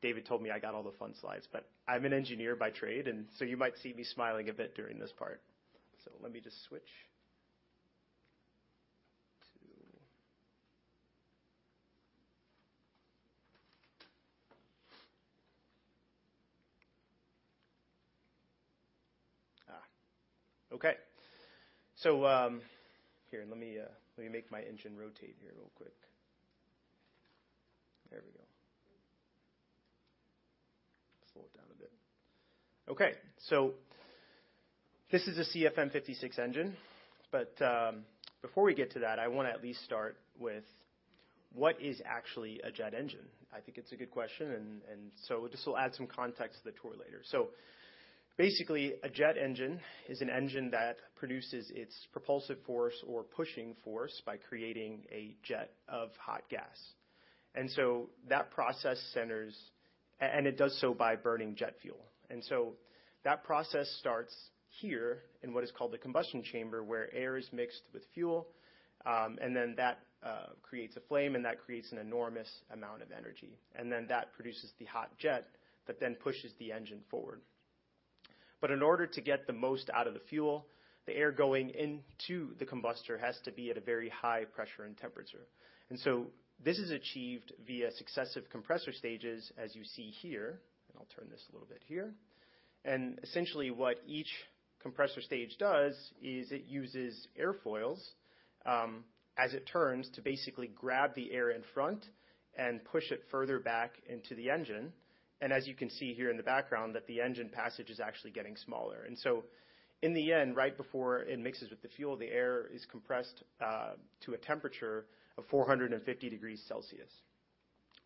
[SPEAKER 6] David told me I got all the fun slides, but I'm an engineer by trade, and so you might see me smiling a bit during this part. Let me just switch to... Okay. Here, let me make my engine rotate here real quick. There we go. Slow it down a bit. Okay, this is a CFM56 engine, but, before we get to that, I want to at least start with: what is actually a jet engine? I think it's a good question, this will add some context to the tour later. Basically, a jet engine is an engine that produces its propulsive force or pushing force by creating a jet of hot gas. That process centers and it does so by burning jet fuel. That process starts here, in what is called the combustion chamber, where air is mixed with fuel, and then that creates a flame, and that creates an enormous amount of energy. That produces the hot jet that then pushes the engine forward. In order to get the most out of the fuel, the air going into the combustor has to be at a very high pressure and temperature. This is achieved via successive compressor stages, as you see here. I'll turn this a little bit here. Essentially, what each compressor stage does is it uses airfoils, as it turns, to basically grab the air in front and push it further back into the engine. As you can see here in the background, that the engine passage is actually getting smaller. In the end, right before it mixes with the fuel, the air is compressed to a temperature of 450 degrees Celsius.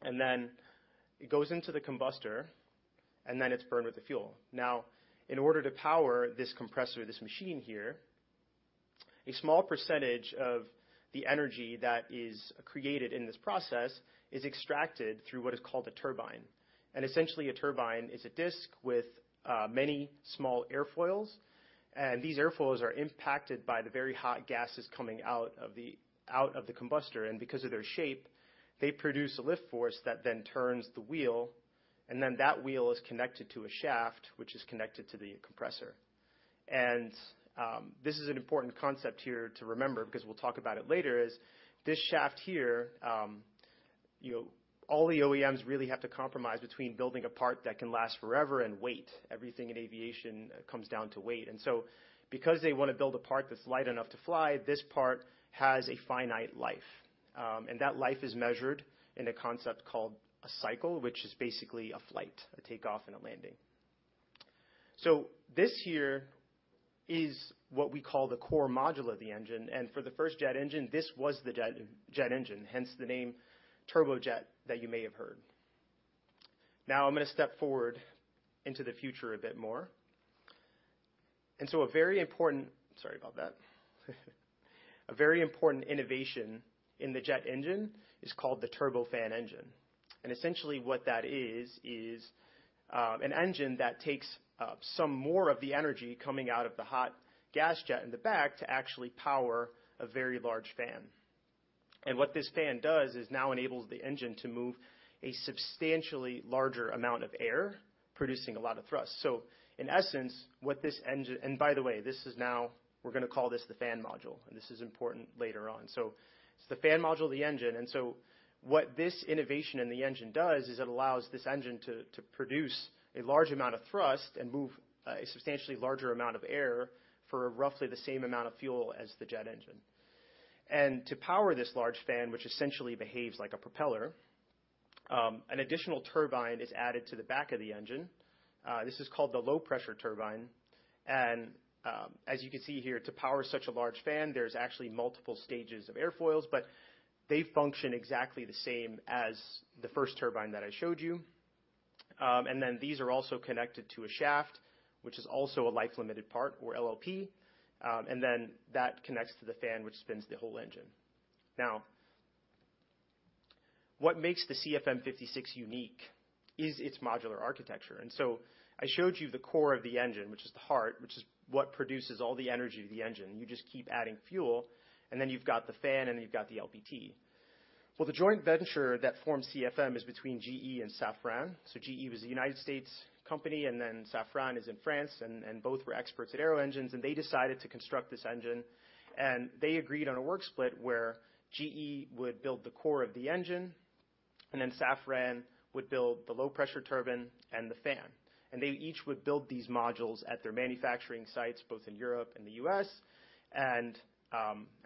[SPEAKER 6] It goes into the combustor, and then it's burned with the fuel. Now, in order to power this compressor, this machine here, a small percentage of the energy that is created in this process is extracted through what is called a turbine. Essentially, a turbine is a disc with many small airfoils, and these airfoils are impacted by the very hot gases coming out of the combustor, and because of their shape, they produce a lift force that then turns the wheel, and then that wheel is connected to a shaft, which is connected to the compressor. This is an important concept here to remember, because we'll talk about it later, is this shaft here, All the OEMs really have to compromise between building a part that can last forever and weight. Everything in aviation comes down to weight. Because they want to build a part that's light enough to fly, this part has a finite life. That life is measured in a concept called a cycle, which is basically a flight, a takeoff and a landing. This here is what we call the core module of the engine, and for the first jet engine, this was the jet engine, hence the name turbojet that you may have heard. Now I'm gonna step forward into the future a bit more. Sorry about that. A very important innovation in the jet engine is called the turbofan engine. Essentially, what that is an engine that takes some more of the energy coming out of the hot gas jet in the back to actually power a very large fan. What this fan does is now enables the engine to move a substantially larger amount of air, producing a lot of thrust. In essence, what this engine and by the way, this is now, we're going to call this the fan module, and this is important later on. It's the fan module of the engine. What this innovation in the engine does is it allows this engine to produce a large amount of thrust and move a substantially larger amount of air for roughly the same amount of fuel as the jet engine. To power this large fan, which essentially behaves like a propeller, an additional turbine is added to the back of the engine. This is called the low-pressure turbine. As you can see here, to power such a large fan, there's actually multiple stages of airfoils, but they function exactly the same as the first turbine that I showed you. These are also connected to a shaft, which is also a Life Limited Part, or LLP. That connects to the fan, which spins the whole engine. Now, what makes the CFM56 unique is its modular architecture. I showed you the core of the engine, which is the heart, which is what produces all the energy of the engine. You just keep adding fuel, and then you've got the fan, and you've got the LPT. The joint venture that forms CFM is between GE and Safran. GE was a United States company, and then Safran is in France, and both were experts at aero engines, and they decided to construct this engine. They agreed on a work split where GE would build the core of the engine, and then Safran would build the low-pressure turbine and the fan. They each would build these modules at their manufacturing sites, both in Europe and the US, and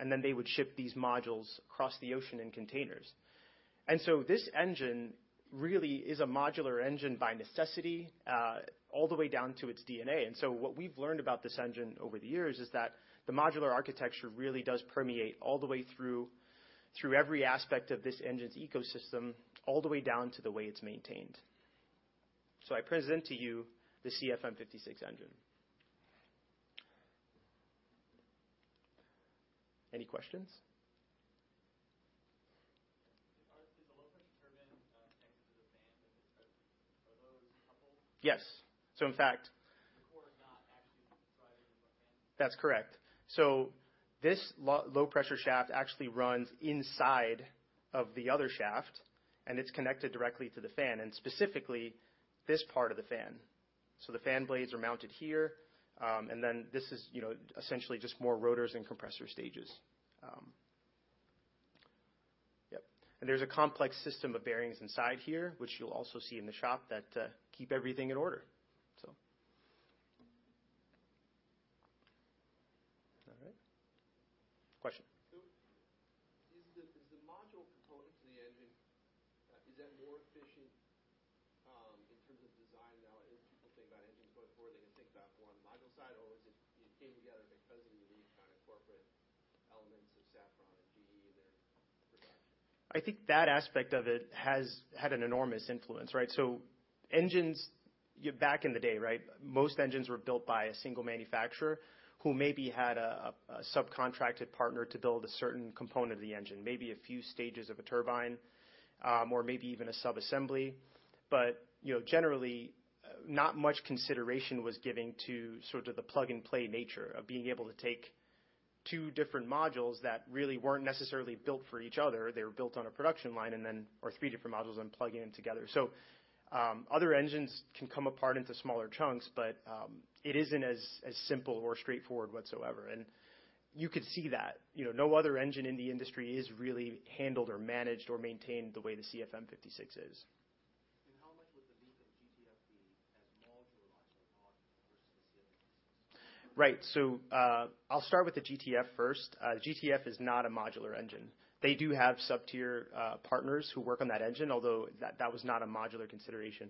[SPEAKER 6] then they would ship these modules across the ocean in containers. This engine really is a modular engine by necessity, all the way down to its DNA. What we've learned about this engine over the years is that the modular architecture really does permeate all the way through every aspect of this engine's ecosystem, all the way down to the way it's maintained. I present to you the CFM56 engine. Any questions?
[SPEAKER 11] Is the low-pressure turbine, connected to the fan, and are those coupled?
[SPEAKER 6] Yes.
[SPEAKER 2] The core is not actually driving the fan.
[SPEAKER 6] That's correct. This low pressure shaft actually runs inside of the other shaft, and it's connected directly to the fan, and specifically, this part of the fan. The fan blades are mounted here, and then this is, you know, essentially just more rotors and compressor stages. Yep. There's a complex system of bearings inside here, which you'll also see in the shop, that keep everything in order. So. All right. Question?
[SPEAKER 11] Is the modular component to the engine, is that more efficient, in terms of design now? If people think about engines going forward, they can think about…
[SPEAKER 6] I think that aspect of it has had an enormous influence, right? Engines, back in the day, right, most engines were built by a single manufacturer, who maybe had a subcontracted partner to build a certain component of the engine, maybe a few stages of a turbine, or maybe even a sub-assembly. You know, generally, not much consideration was given to sort of the plug-and-play nature of being able to take two different modules that really weren't necessarily built for each other. They were built on a production line or three different modules, and plug them in together. Other engines can come apart into smaller chunks, but it isn't as simple or straightforward whatsoever, and you could see that. You know, no other engine in the industry is really handled or managed, or maintained the way the CFM56 is.
[SPEAKER 11] How much would the LEAP and GTF be as modularized or modular versus the CFM56?
[SPEAKER 6] Right. I'll start with the GTF first. The GTF is not a modular engine. They do have sub-tier partners who work on that engine, although that was not a modular consideration.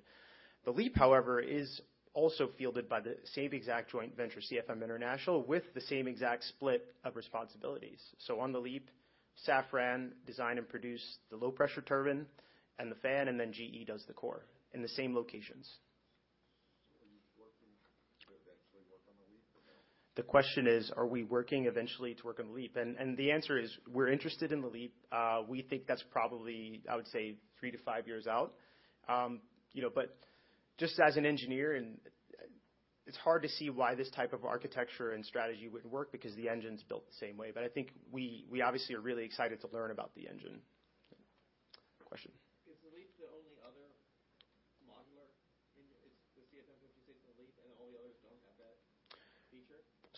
[SPEAKER 6] The LEAP, however, is also fielded by the same exact joint venture, CFM International, with the same exact split of responsibilities. On the LEAP, Safran design and produce the low-pressure turbine and the fan, and then GE does the core in the same locations.
[SPEAKER 11] Are you working to eventually work on the LEAP?
[SPEAKER 6] The question is, are we working eventually to work on the LEAP? The answer is: we're interested in the LEAP. We think that's probably, I would say, 3-5 years out. You know, just as an engineer. It's hard to see why this type of architecture and strategy wouldn't work because the engine's built the same way. I think we obviously are really excited to learn about the engine. Good question.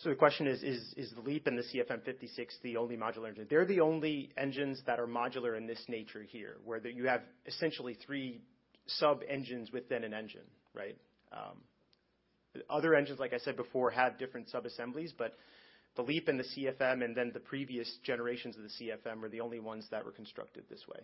[SPEAKER 11] Is the LEAP the only other modular engine? Is the CFM56 the LEAP, and all the others don't have that feature?
[SPEAKER 6] The question is: Is the LEAP and the CFM56 the only modular engine? They're the only engines that are modular in this nature here, where you have essentially three sub-engines within an engine, right? Other engines, like I said before, have different sub-assemblies, but the LEAP and the CFM, and then the previous generations of the CFM, are the only ones that were constructed this way.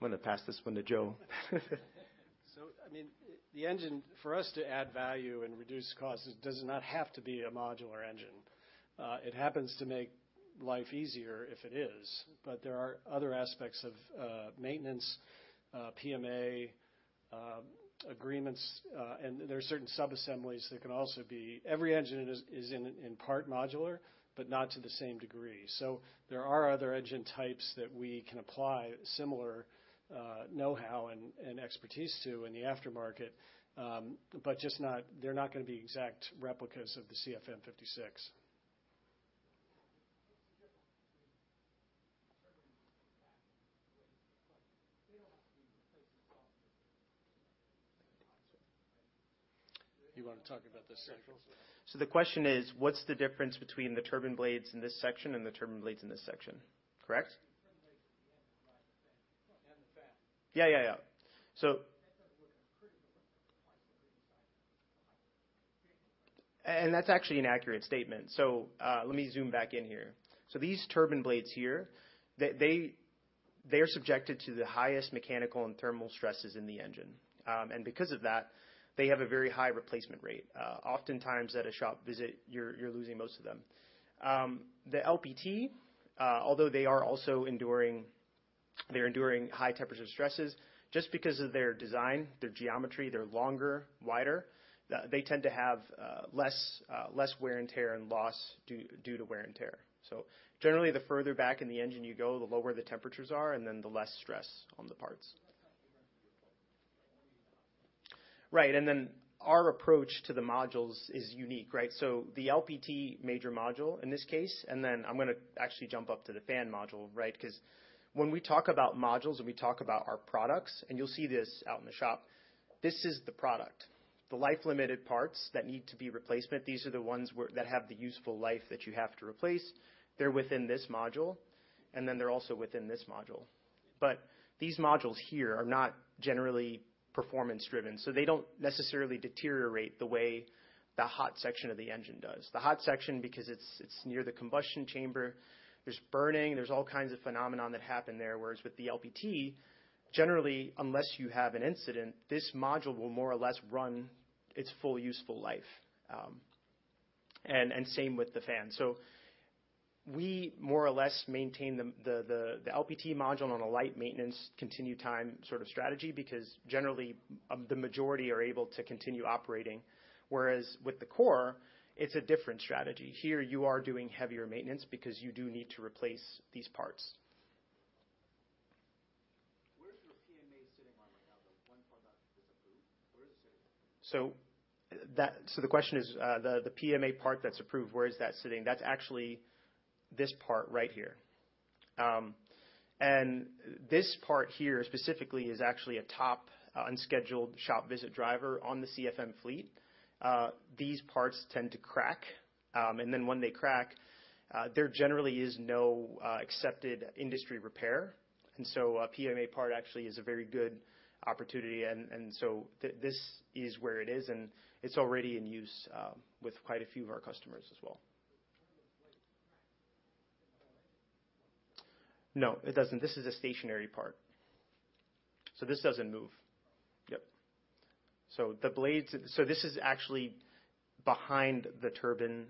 [SPEAKER 11] I know we're looking forward a lot to this question, because there's so much ample opportunity just with CFM56. On a couple conference calls, presentations, you've talked about, you know, for the future planning, you're looking at other engines. Where do you have opportunities to add value when you don't have the modular design, or do you need the modular in order to have the value proposition?
[SPEAKER 6] I'm gonna pass this one to Joe.
[SPEAKER 2] I mean, the engine. For us to add value and reduce costs, it does not have to be a modular engine. It happens to make life easier if it is, but there are other aspects of maintenance, PMA agreements, and there are certain sub-assemblies that can also be every engine is in part modular, but not to the same degree. There are other engine types that we can apply similar know-how and expertise to in the aftermarket, but just not they're not gonna be exact replicas of the CFM56.
[SPEAKER 11] What's the difference between the turbine blades in this section? They don't have to be replaced as often as the ones in this section, right?
[SPEAKER 2] You want to talk about this, Samuel?
[SPEAKER 6] The question is: What's the difference between the turbine blades in this section and the turbine blades in this section? Correct?
[SPEAKER 11] The turbine blades at the end are not the same and the fan.
[SPEAKER 6] Yeah, yeah. That's actually an accurate statement. Let me zoom back in here. These turbine blades here, they are subjected to the highest mechanical and thermal stresses in the engine. Because of that, they have a very high replacement rate. Oftentimes at a shop visit, you're losing most of them. The LPT, although they are also enduring, they're enduring high temperature stresses, just because of their design, their geometry, they're longer, wider, they tend to have less wear and tear and loss due to wear and tear. Generally, the further back in the engine you go, the lower the temperatures are, and then the less stress on the parts. Right, our approach to the modules is unique, right? The LPT major module, in this case, and then I'm gonna actually jump up to the fan module, right? When we talk about modules and we talk about our products, and you'll see this out in the shop, this is the product. The Life Limited Parts that need to be replacement, these are the ones that have the useful life that you have to replace. They're within this module, and then they're also within this module. These modules here are not generally performance driven, so they don't necessarily deteriorate the way the hot section of the engine does. The hot section, because it's near the combustion chamber, there's burning, there's all kinds of phenomenon that happen there. With the LPT, generally, unless you have an incident, this module will more or less run its full useful life, and same with the fan. We more or less maintain the LPT module on a light maintenance, continued time sort of strategy, because generally, the majority are able to continue operating. Whereas with the core, it's a different strategy. Here, you are doing heavier maintenance because you do need to replace these parts.
[SPEAKER 11] Where is your PMA sitting on right now, the one part that was approved? Where is it sitting?
[SPEAKER 6] The question is, the PMA part that's approved, where is that sitting? That's actually this part right here. This part here specifically is actually a top unscheduled shop visit driver on the CFM fleet. These parts tend to crack. When they crack, there generally is no accepted industry repair. A PMA part actually is a very good opportunity. This is where it is, and it's already in use with quite a few of our customers as well. No, it doesn't. This is a stationary part. This doesn't move. Yep. This is actually behind the turbine,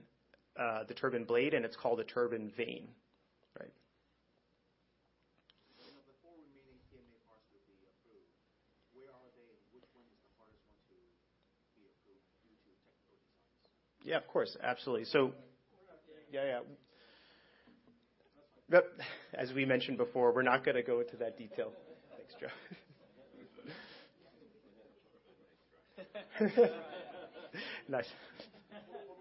[SPEAKER 6] the turbine blade, and it's called a turbine vane. Right?
[SPEAKER 11] Of the four remaining PMA parts to be approved, where are they, and which one is the hardest one to be approved due to technical designs?
[SPEAKER 6] Yeah, of course. Absolutely. Yeah. Yep, as we mentioned before, we're not gonna go into that detail. Thanks, Joe. Nice.
[SPEAKER 11] Well, let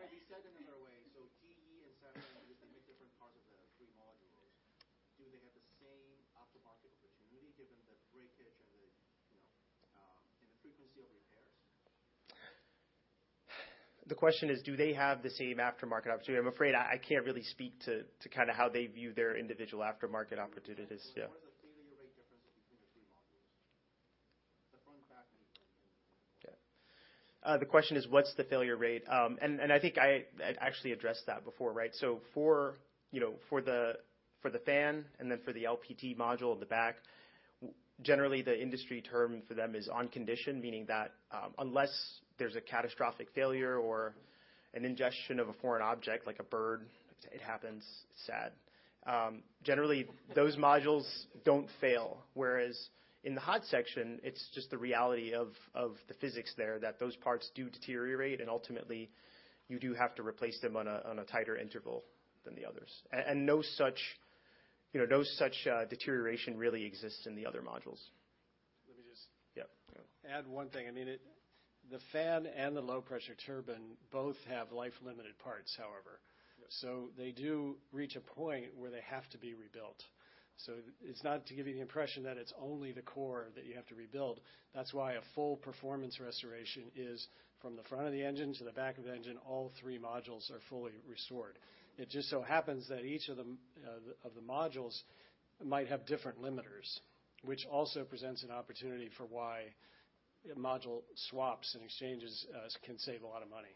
[SPEAKER 11] me said another way, GE and Safran, they make different parts of the three modules. Do they have the same aftermarket opportunity, given the breakage and the, you know, and the frequency of repairs?
[SPEAKER 6] The question is, do they have the same aftermarket opportunity? I'm afraid I can't really speak to kind of how they view their individual aftermarket opportunities. Yeah.
[SPEAKER 11] What is the failure rate difference between the 3 modules? The front, back, and.
[SPEAKER 6] Yeah. The question is, what's the failure rate? I think I actually addressed that before, right? For, you know, for the fan and then for the LPT module at the back, generally, the industry term for them is on condition, meaning that unless there's a catastrophic failure or an ingestion of a foreign object, like a bird, it happens, it's sad. Generally, those modules don't fail, whereas in the hot section, it's just the reality of the physics there, that those parts do deteriorate, and ultimately, you do have to replace them on a tighter interval than the others. No such, you know, no such deterioration really exists in the other modules.
[SPEAKER 2] Let me.
[SPEAKER 6] Yeah.
[SPEAKER 2] add one thing. I mean, The fan and the low-pressure turbine both have life-limited parts, however.
[SPEAKER 6] Yep.
[SPEAKER 2] They do reach a point where they have to be rebuilt. It's not to give you the impression that it's only the core that you have to rebuild. That's why a full performance restoration is from the front of the engine to the back of the engine, all three modules are fully restored. It just so happens that each of them of the modules might have different limiters, which also presents an opportunity for why module swaps and exchanges can save a lot of money.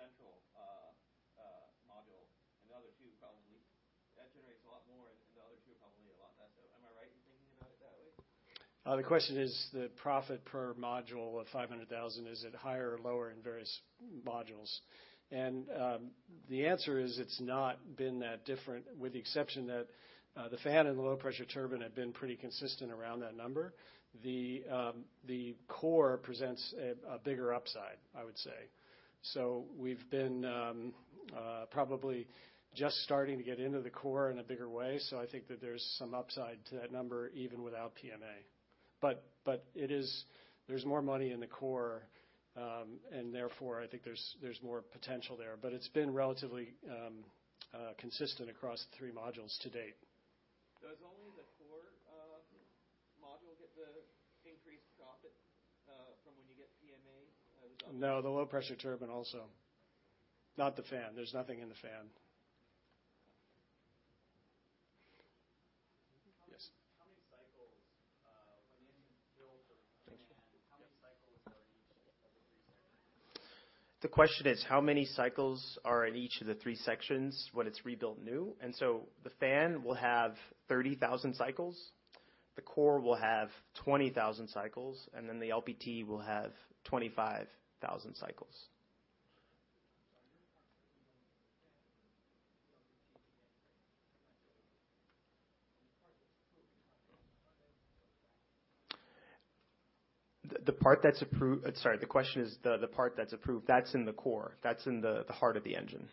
[SPEAKER 12] When you talked about, you know, the $500,000 of EBITDA per module swap, it seems like it would be concentrated mainly in that center. Most of the EBITDA comes from doing a central module, and the other two are probably a lot less. Am I right in thinking about it that way?
[SPEAKER 2] The question is, the profit per module of $500,000, is it higher or lower in various modules? The answer is, it's not been that different, with the exception that the fan and the low pressure turbine have been pretty consistent around that number. The core presents a bigger upside, I would say. We've been probably just starting to get into the core in a bigger way, so I think that there's some upside to that number, even without PMA. There's more money in the core, and therefore, I think there's more potential there. It's been relatively consistent across the three modules to date.
[SPEAKER 12] Does only the core module get the increased profit from when you get PMA?
[SPEAKER 2] No, the low-pressure turbine also. Not the fan. There's nothing in the fan.
[SPEAKER 6] Yes.
[SPEAKER 12] How many cycles, when the engine builds?
[SPEAKER 6] Yeah.
[SPEAKER 12] How many cycles are in each of the 3 sections?
[SPEAKER 6] The question is, how many cycles are in each of the three sections when it's rebuilt new? The fan will have 30,000 cycles, the core will have 20,000 cycles, and then the LPT will have 25,000 cycles. Sorry, the question is, the part that's approved, that's in the core. That's in the heart of the engine.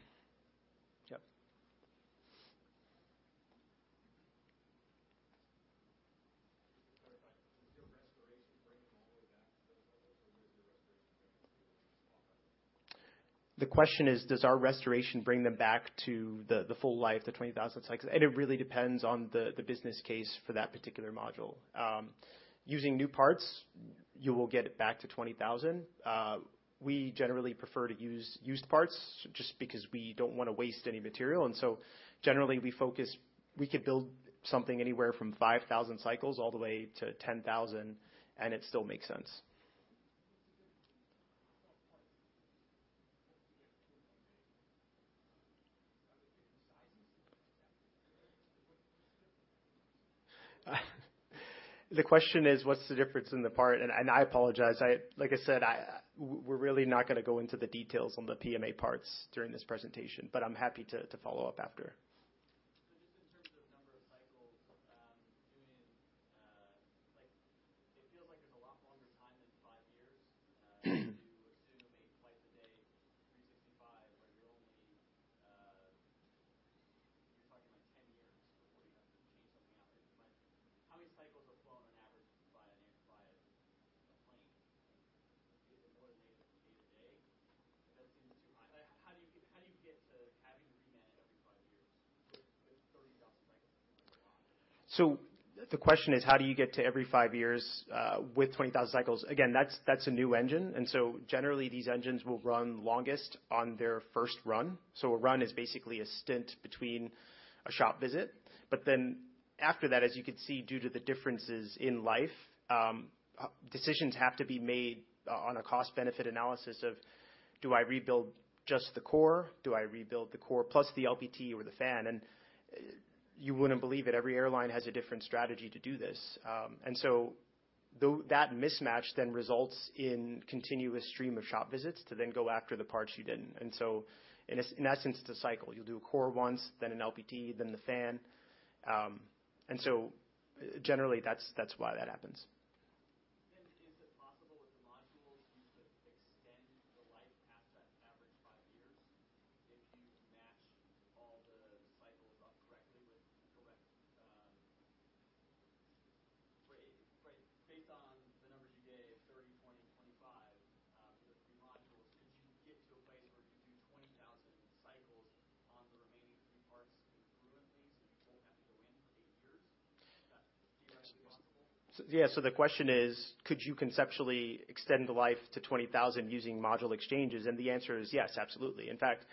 [SPEAKER 6] Yep.
[SPEAKER 13] Sorry, does your restoration bring them all the way back to those, or does your restoration bring them back?
[SPEAKER 6] The question is, does our restoration bring them back to the full life, the 20,000 cycles? It really depends on the business case for that particular module. Using new parts, you will get it back to 20,000. We generally prefer to use used parts, just because we don't wanna waste any material, generally, we focus... We could build something anywhere from 5,000 cycles all the way to 10,000, and it still makes sense. The question is, what's the difference in the part? I apologize, like I said, I, we're really not gonna go into the details on the PMA parts during this presentation, but I'm happy to follow up after.
[SPEAKER 13] Just in terms of number of cycles, doing, like it feels like there's a lot longer time than five years, to assume eight flights a day, 365 days.
[SPEAKER 14] where youre only 10 years but how many cycle do you get so
[SPEAKER 6] The question is, how do you get to every five years with 20,000 cycles? Again, that's a new engine, generally, these engines will run longest on their first run. A run is basically a stint between a shop visit. After that, as you can see, due to the differences in life, decisions have to be made on a cost-benefit analysis of: Do I rebuild just the core? Do I rebuild the core plus the LPT or the fan? You wouldn't believe it, every airline has a different strategy to do this. That mismatch then results in continuous stream of shop visits to then go after the parts you didn't. In essence, it's a cycle. You'll do a core once, then an LPT, then the fan. Generally, that's why that happens.
[SPEAKER 14] Is it possible with the modules to extend the life past that average 5 years if you match all the cycles up correctly with correct, based on the numbers you gave, 30, 20, 25, with the 3 modules, could you get to a place where you do 20,000 cycles on the remaining 3 parts influently, so you won't have to go in for 8 years? Is that theoretically possible?
[SPEAKER 6] Yeah. The question is, could you conceptually extend the life to 20,000 using module exchanges? The answer is yes, absolutely. In fact,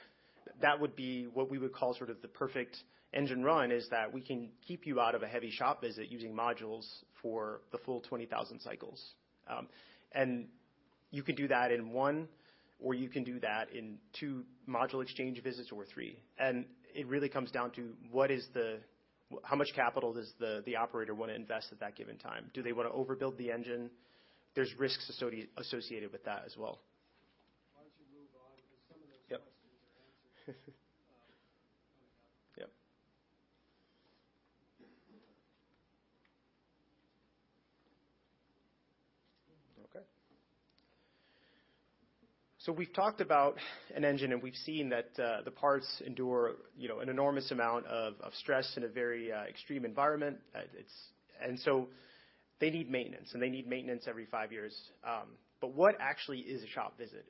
[SPEAKER 6] that would be what we would call sort of the perfect engine run, is that we can keep you out of a heavy shop visit using modules for the full 20,000 cycles. You can do that in one, or you can do that in two module exchange visits or three. It really comes down to how much capital does the operator want to invest at that given time? Do they want to overbuild the engine? There's risks associated with that as well.
[SPEAKER 14] Why don't you move on, because some of those questions?
[SPEAKER 6] Yep.
[SPEAKER 14] are answered, coming up.
[SPEAKER 6] Yep. Okay. We've talked about an engine, and we've seen that, the parts endure, you know, an enormous amount of stress in a very extreme environment. They need maintenance, and they need maintenance every five years. What actually is a shop visit?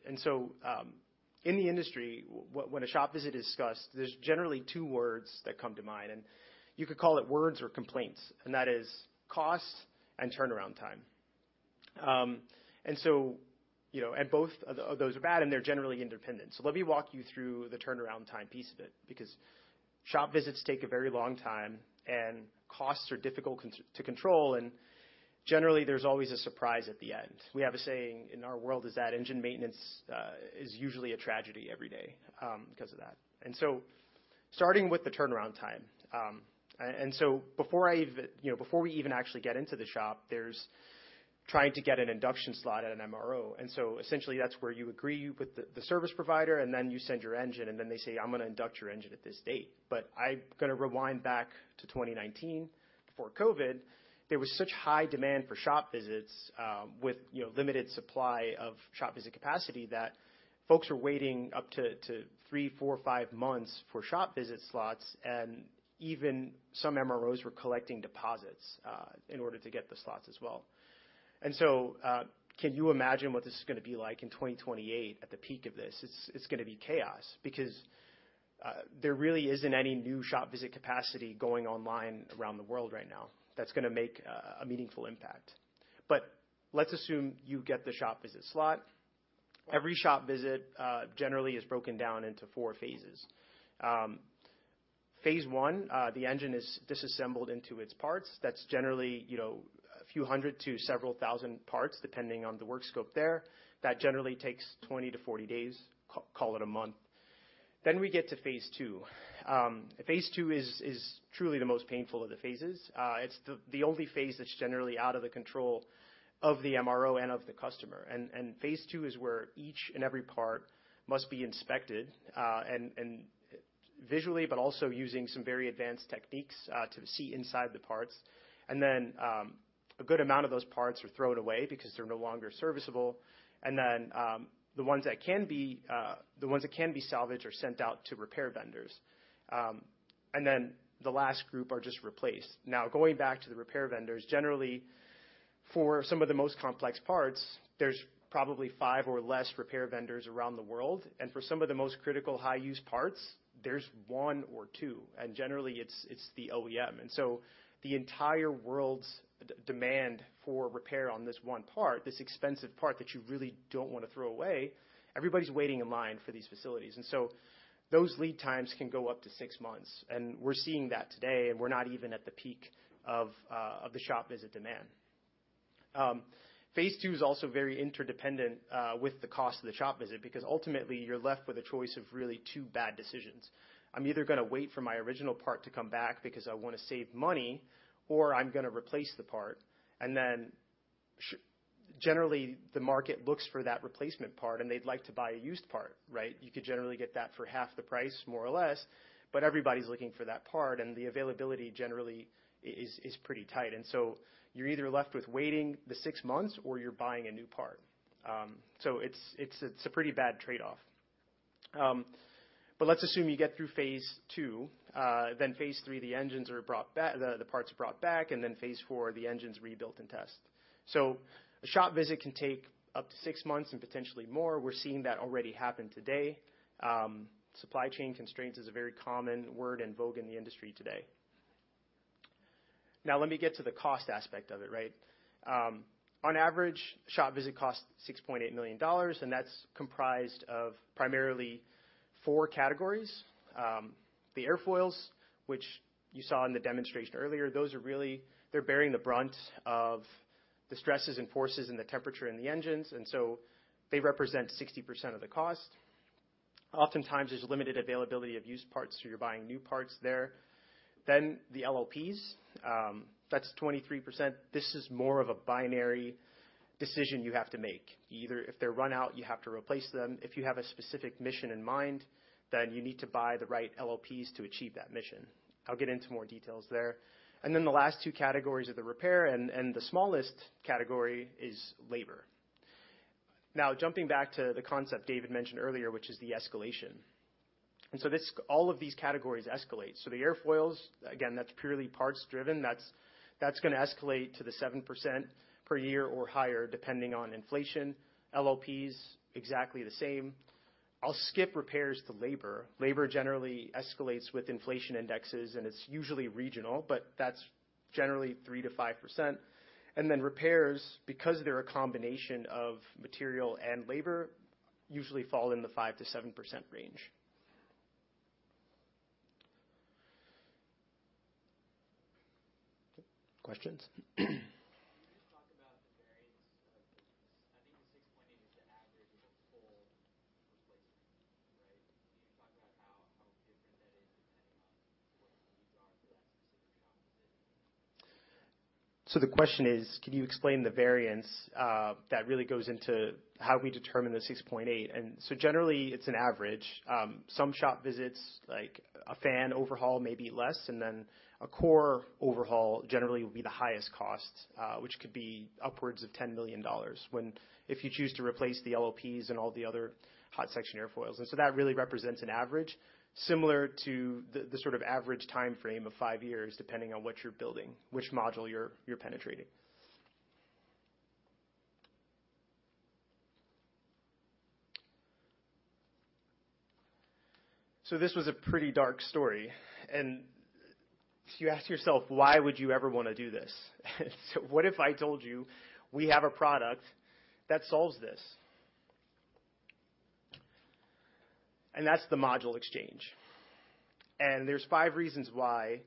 [SPEAKER 6] In the industry, when a shop visit is discussed, there's generally two words that come to mind, and you could call it words or complaints, and that is cost and turnaround time. You know, and both of those are bad, and they're generally independent. Let me walk you through the turnaround time piece of it, because shop visits take a very long time, and costs are difficult to control, and generally, there's always a surprise at the end. We have a saying in our world, is that engine maintenance is usually a tragedy every day because of that. Starting with the turnaround time, before I even, you know, before we even actually get into the shop, there's trying to get an induction slot at an MRO. Essentially, that's where you agree with the service provider, and then you send your engine, and then they say, "I'm going to induct your engine at this date." I'm gonna rewind back to 2019. Before COVID, there was such high demand for shop visits, with, you know, limited supply of shop visit capacity, that folks were waiting up to 3, 4, 5 months for shop visit slots, and even some MROs were collecting deposits in order to get the slots as well. Can you imagine what this is going to be like in 2028 at the peak of this? It's going to be chaos because there really isn't any new shop visit capacity going online around the world right now that's going to make a meaningful impact. Let's assume you get the shop visit slot. Every shop visit generally is broken down into four phases. Phase one, the engine is disassembled into its parts. That's generally, you know, a few hundred to several thousand parts, depending on the work scope there. That generally takes 20 to 40 days, call it a month. We get to phase two. Phase two is truly the most painful of the phases. It's the only phase that's generally out of the control of the MRO and of the customer. Phase two is where each and every part must be inspected, and visually, but also using some very advanced techniques to see inside the parts. Then a good amount of those parts are thrown away because they're no longer serviceable. Then the ones that can be salvaged are sent out to repair vendors. Then the last group are just replaced. Now, going back to the repair vendors, generally, for some of the most complex parts, there's probably five or less repair vendors around the world, and for some of the most critical, high-use parts, there's one or two, and generally, it's the OEM. The entire world's demand for repair on this one part, this expensive part that you really don't want to throw away, everybody's waiting in line for these facilities. Those lead times can go up to six months, and we're seeing that today, and we're not even at the peak of the shop visit demand. Phase two is also very interdependent with the cost of the shop visit, because ultimately, you're left with a choice of really two bad decisions. I'm either gonna wait for my original part to come back because I want to save money, or I'm gonna replace the part, and then generally, the market looks for that replacement part, and they'd like to buy a used part, right? You could generally get that for half the price, more or less, but everybody's looking for that part, and the availability generally is pretty tight. So you're either left with waiting the six months or you're buying a new part. So it's a pretty bad trade-off. But let's assume you get through phase two, then phase three, the parts are brought back, and then phase four, the engine's rebuilt and tested. A shop visit can take up to six months and potentially more. We're seeing that already happen today. Supply chain constraints is a very common word in vogue in the industry today. Let me get to the cost aspect of it, right? On average, a shop visit costs $6.8 million, and that's comprised of primarily four categories. The airfoils, which you saw in the demonstration earlier, those are really, they're bearing the brunt of the stresses and forces and the temperature in the engines, and so they represent 60% of the cost. Oftentimes, there's limited availability of used parts, so you're buying new parts there. The LLPs, that's 23%. This is more of a binary decision you have to make. Either if they're run out, you have to replace them. If you have a specific mission in mind, then you need to buy the right LLPs to achieve that mission. I'll get into more details there. The last two categories are the repair, and the smallest category is labor. Jumping back to the concept David mentioned earlier, which is the escalation. All of these categories escalate. The airfoils, again, that's purely parts-driven. That's gonna escalate to the 7% per year or higher, depending on inflation. LLPs, exactly the same. I'll skip repairs to labor. Labor generally escalates with inflation indexes, and it's usually regional, but that's generally 3%-5%. Then repairs, because they're a combination of material and labor, usually fall in the 5%-7% range. Questions?
[SPEAKER 14] Can you just talk about the variance of this? I think the $6.8 million is the average of the whole replacement, right? Can you talk about how different that is, depending on what the needs are for that specific shop visit?
[SPEAKER 6] The question is, can you explain the variance that really goes into how we determine the $6.8 million? Generally, it's an average. Some shop visits, like a fan overhaul, may be less, and then a core overhaul generally will be the highest cost, which could be upwards of $10 million if you choose to replace the LLPs and all the other hot section airfoils. That really represents an average, similar to the sort of average timeframe of five years, depending on what you're building, which module you're penetrating. This was a pretty dark story, and you ask yourself, why would you ever want to do this? What if I told you we have a product that solves this? That's the module exchange. There's five reasons why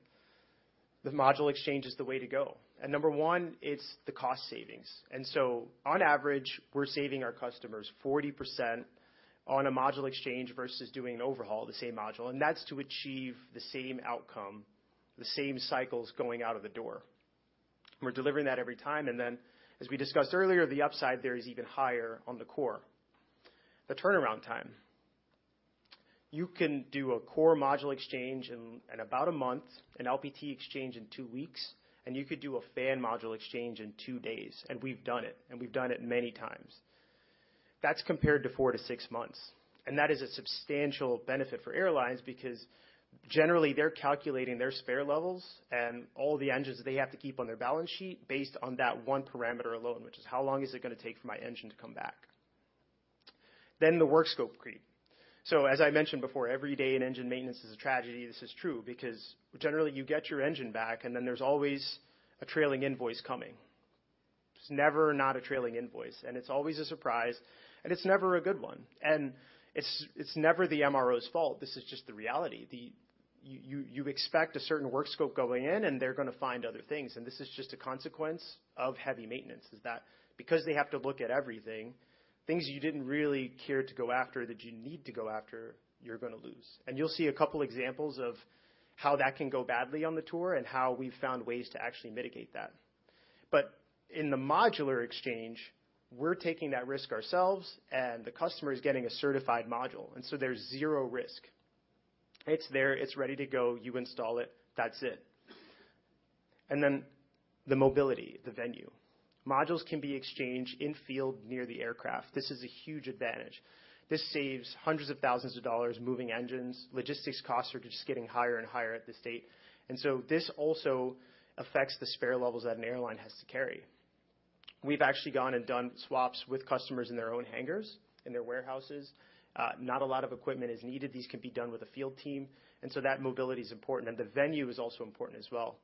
[SPEAKER 6] the module exchange is the way to go. Number one, it's the cost savings. On average, we're saving our customers 40% on a module exchange versus doing an overhaul of the same module, and that's to achieve the same outcome, the same cycles going out of the door. We're delivering that every time, as we discussed earlier, the upside there is even higher on the core. The turnaround time. You can do a core module exchange in about one month, an LPT exchange in two weeks, and you could do a fan module exchange in two days, and we've done it, and we've done it many times. That's compared to four to six months. That is a substantial benefit for airlines because generally they're calculating their spare levels and all the engines they have to keep on their balance sheet based on that one parameter alone, which is: How long is it gonna take for my engine to come back? The work scope creep. As I mentioned before, every day in engine maintenance is a tragedy. This is true because generally you get your engine back. There's always a trailing invoice coming. It's never not a trailing invoice. It's always a surprise. It's never a good one. It's never the MRO's fault. This is just the reality. The... You expect a certain work scope going in, they're gonna find other things. This is just a consequence of heavy maintenance, is that because they have to look at everything, things you didn't really care to go after that you need to go after, you're gonna lose. You'll see a couple examples of how that can go badly on the tour and how we've found ways to actually mitigate that. In the module exchange, we're taking that risk ourselves, the customer is getting a certified module, there's zero risk. It's there, it's ready to go. You install it. That's it. The mobility, the venue. Modules can be exchanged in-field near the aircraft. This is a huge advantage. This saves hundreds of thousands of dollars moving engines. Logistics costs are just getting higher and higher at this state, and so this also affects the spare levels that an airline has to carry. We've actually gone and done swaps with customers in their own hangars, in their warehouses. Not a lot of equipment is needed. These can be done with a field team, and so that mobility is important. The venue is also important as well.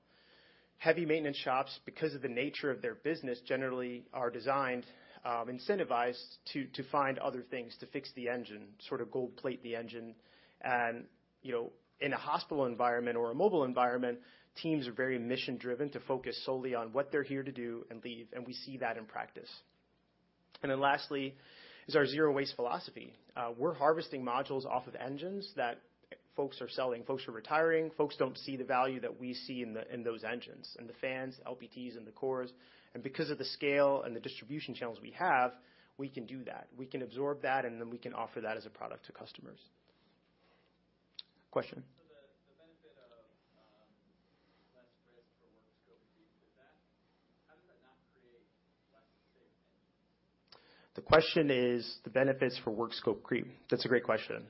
[SPEAKER 6] Heavy maintenance shops, because of the nature of their business, generally are designed, incentivized to find other things to fix the engine, sort of gold plate the engine. You know, in a hospital environment or a mobile environment, teams are very mission-driven to focus solely on what they're here to do and leave, and we see that in practice. Lastly, is our zero waste philosophy. We're harvesting modules off of engines that folks are selling, folks are retiring. Folks don't see the value that we see in those engines, in the fans, the LPTs, and the cores. Because of the scale and the distribution channels we have, we can do that. We can absorb that, and then we can offer that as a product to customers. Question?
[SPEAKER 14] [inaudible]
[SPEAKER 6] The question is the benefits for work scope creep. That's a great question.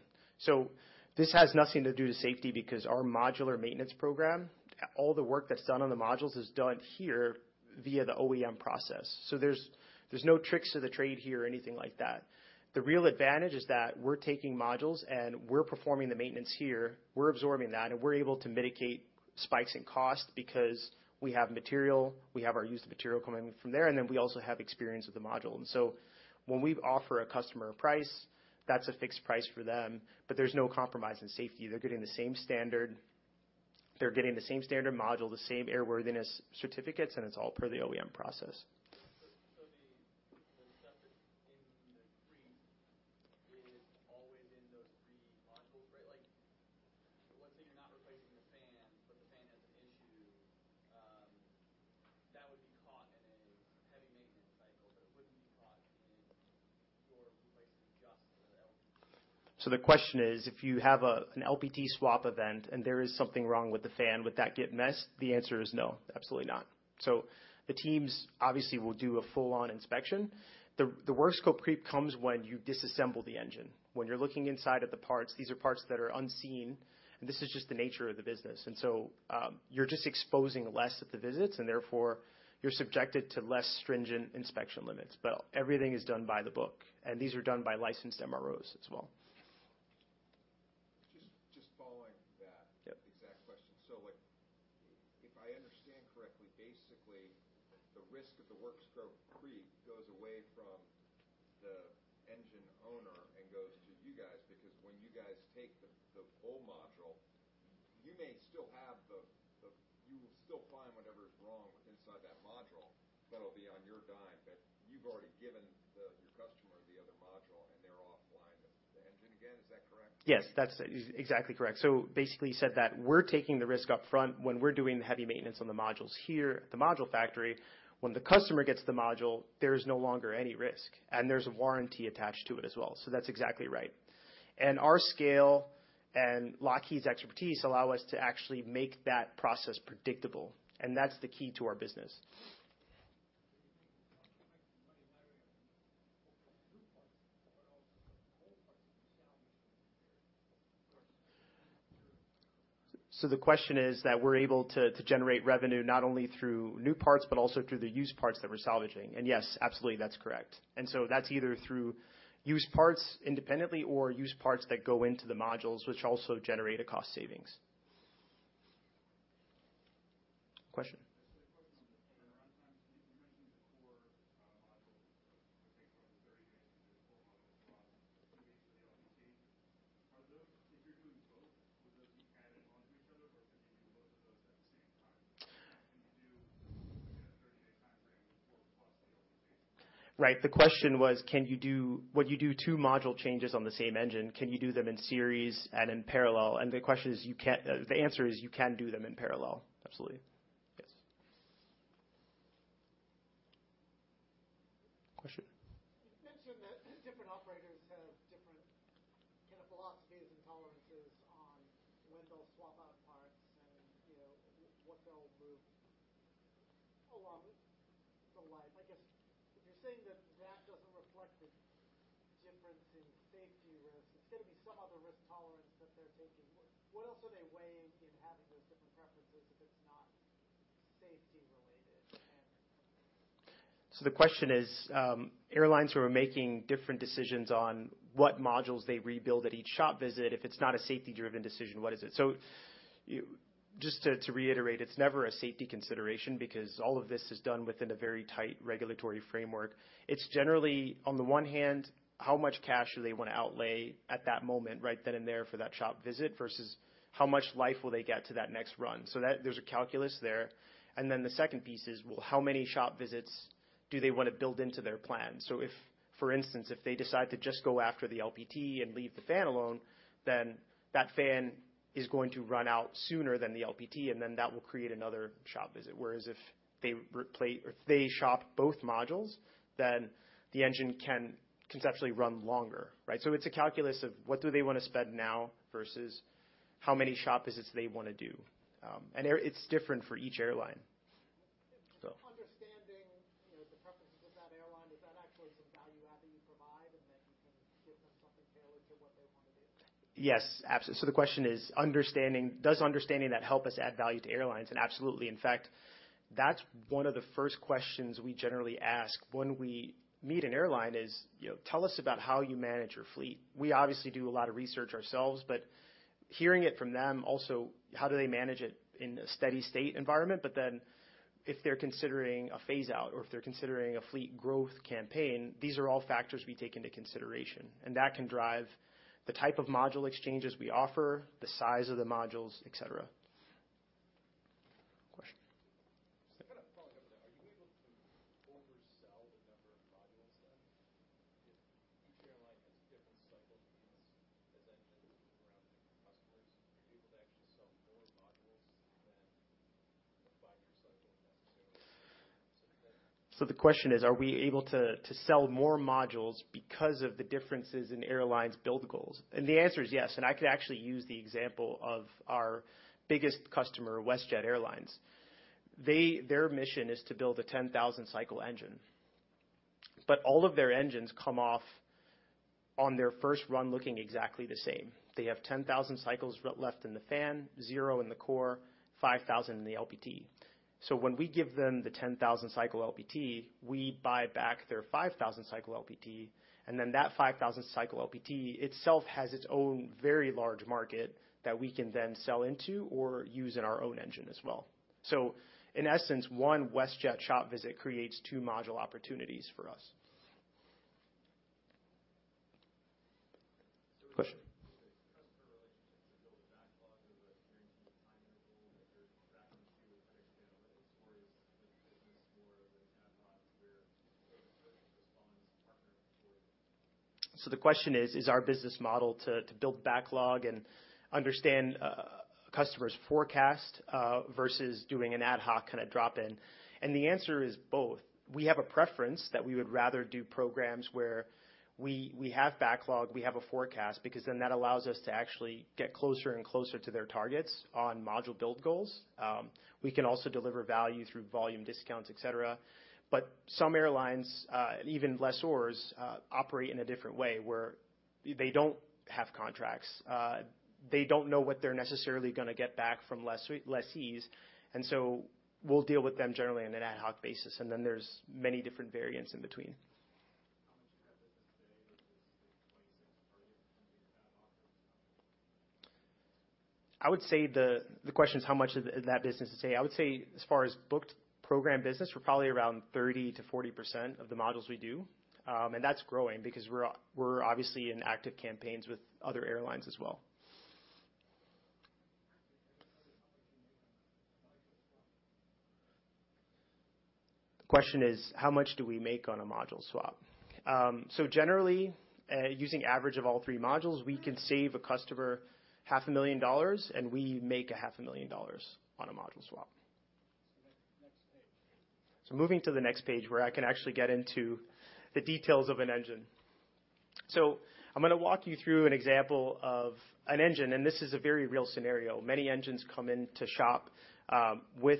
[SPEAKER 6] This has nothing to do with safety, because our modular maintenance program, all the work that's done on the modules is done here via the OEM process. There's no tricks to the trade here or anything like that. The real advantage is that we're taking modules, and we're performing the maintenance here. We're absorbing that, we're able to mitigate spikes in cost because we have material, we have our used material coming in from there, and then we also have experience with the module. When we offer a customer a price, that's a fixed price for them, but there's no compromise in safety. They're getting the same standard. They're getting the same standard module, the same airworthiness certificates, and it's all per the OEM process.
[SPEAKER 14] The stuff that's in the creep is always in those three modules, right? Like, let's say you're not replacing the fan, but the fan has an issue, that would be caught in a heavy maintenance cycle, but it wouldn't be caught in your replacing just the LPT.
[SPEAKER 6] The question is, if you have an LPT swap event and there is something wrong with the fan, would that get missed? The answer is no, absolutely not. The teams obviously will do a full-on inspection. The work scope creep comes when you disassemble the engine. When you're looking inside of the parts, these are parts that are unseen, and this is just the nature of the business. You're just exposing less of the visits, and therefore, you're subjected to less stringent inspection limits. Everything is done by the book, and these are done by licensed MROs as well.
[SPEAKER 15] [inaudible]
[SPEAKER 6] The question is that we're able to generate revenue not only through new parts but also through the used parts that we're salvaging. Yes, absolutely, that's correct. That's either through used parts independently or used parts that go into the modules, which also generate a cost savings. Question?
[SPEAKER 15] A question
[SPEAKER 6] do they want to build into their plan? If, for instance, if they decide to just go after the LPT and leave the fan alone, then that fan is going to run out sooner than the LPT, and then that will create another shop visit. Whereas if they shop both modules, then the engine can conceptually run longer, right? It's a calculus of what do they want to spend now versus how many shop visits they want to do. It's different for each airline.
[SPEAKER 16] Understanding, you know, the preferences of that airline, is that actually some value add that you provide, and then you can give them something tailored to what they want to do?
[SPEAKER 6] The question is, does understanding that help us add value to airlines? Absolutely. In fact, that's one of the first questions we generally ask when we meet an airline is, you know, "Tell us about how you manage your fleet." We obviously do a lot of research ourselves, but hearing it from them, also, how do they manage it in a steady state environment? If they're considering a phase out or if they're considering a fleet growth campaign, these are all factors we take into consideration, and that can drive question is, are we able to sell more modules because of the differences in airlines' build goals? The answer is yes. I could actually use the example of our biggest customer, WestJet Airlines. Their mission is to build a 10,000 cycle engine. All of their engines come off on their first run, looking exactly the same. They have 10,000 cycles left in the fan, zero in the core, 5,000 in the LPT. When we give them the 10,000 cycle LPT, we buy back their 5,000 cycle LPT, and then that 5,000 cycle LPT itself has its own very large market that we can then sell into or use in our own engine as well. In essence, one WestJet shop visit creates two module opportunities for us. Question?
[SPEAKER 16] Customer relationships to build a backlog of a guaranteed time material, if you're back into analytics, or is the business more of an ad hoc, where partners?
[SPEAKER 6] The question is our business model to build backlog and understand a customer's forecast versus doing an ad hoc kind of drop-in? The answer is both. We have a preference that we would rather do programs where we have backlog, we have a forecast, because then that allows us to actually get closer and closer to their targets on module build goals. We can also deliver value through volume discounts, et cetera. Some airlines, even lessors, operate in a different way where they don't have contracts. They don't know what they're necessarily gonna get back from lessees, so we'll deal with them generally on an ad hoc basis, then there's many different variants in between.
[SPEAKER 16] How much of your business today is 26 target backlog?
[SPEAKER 6] The question is, how much of that business is today? I would say as far as booked program business, we're probably around 30%-40% of the modules we do. That's growing because we're obviously in active campaigns with other airlines as well.
[SPEAKER 16] How much do you make on a module swap?
[SPEAKER 6] The question is, how much do we make on a module swap? Generally, using average of all three modules, we can save a customer half a million dollars, and we make a half a million dollars on a module swap.
[SPEAKER 16] Next page.
[SPEAKER 6] Moving to the next page, where I can actually get into the details of an engine. I'm gonna walk you through an example of an engine, and this is a very real scenario. Many engines come in to shop, with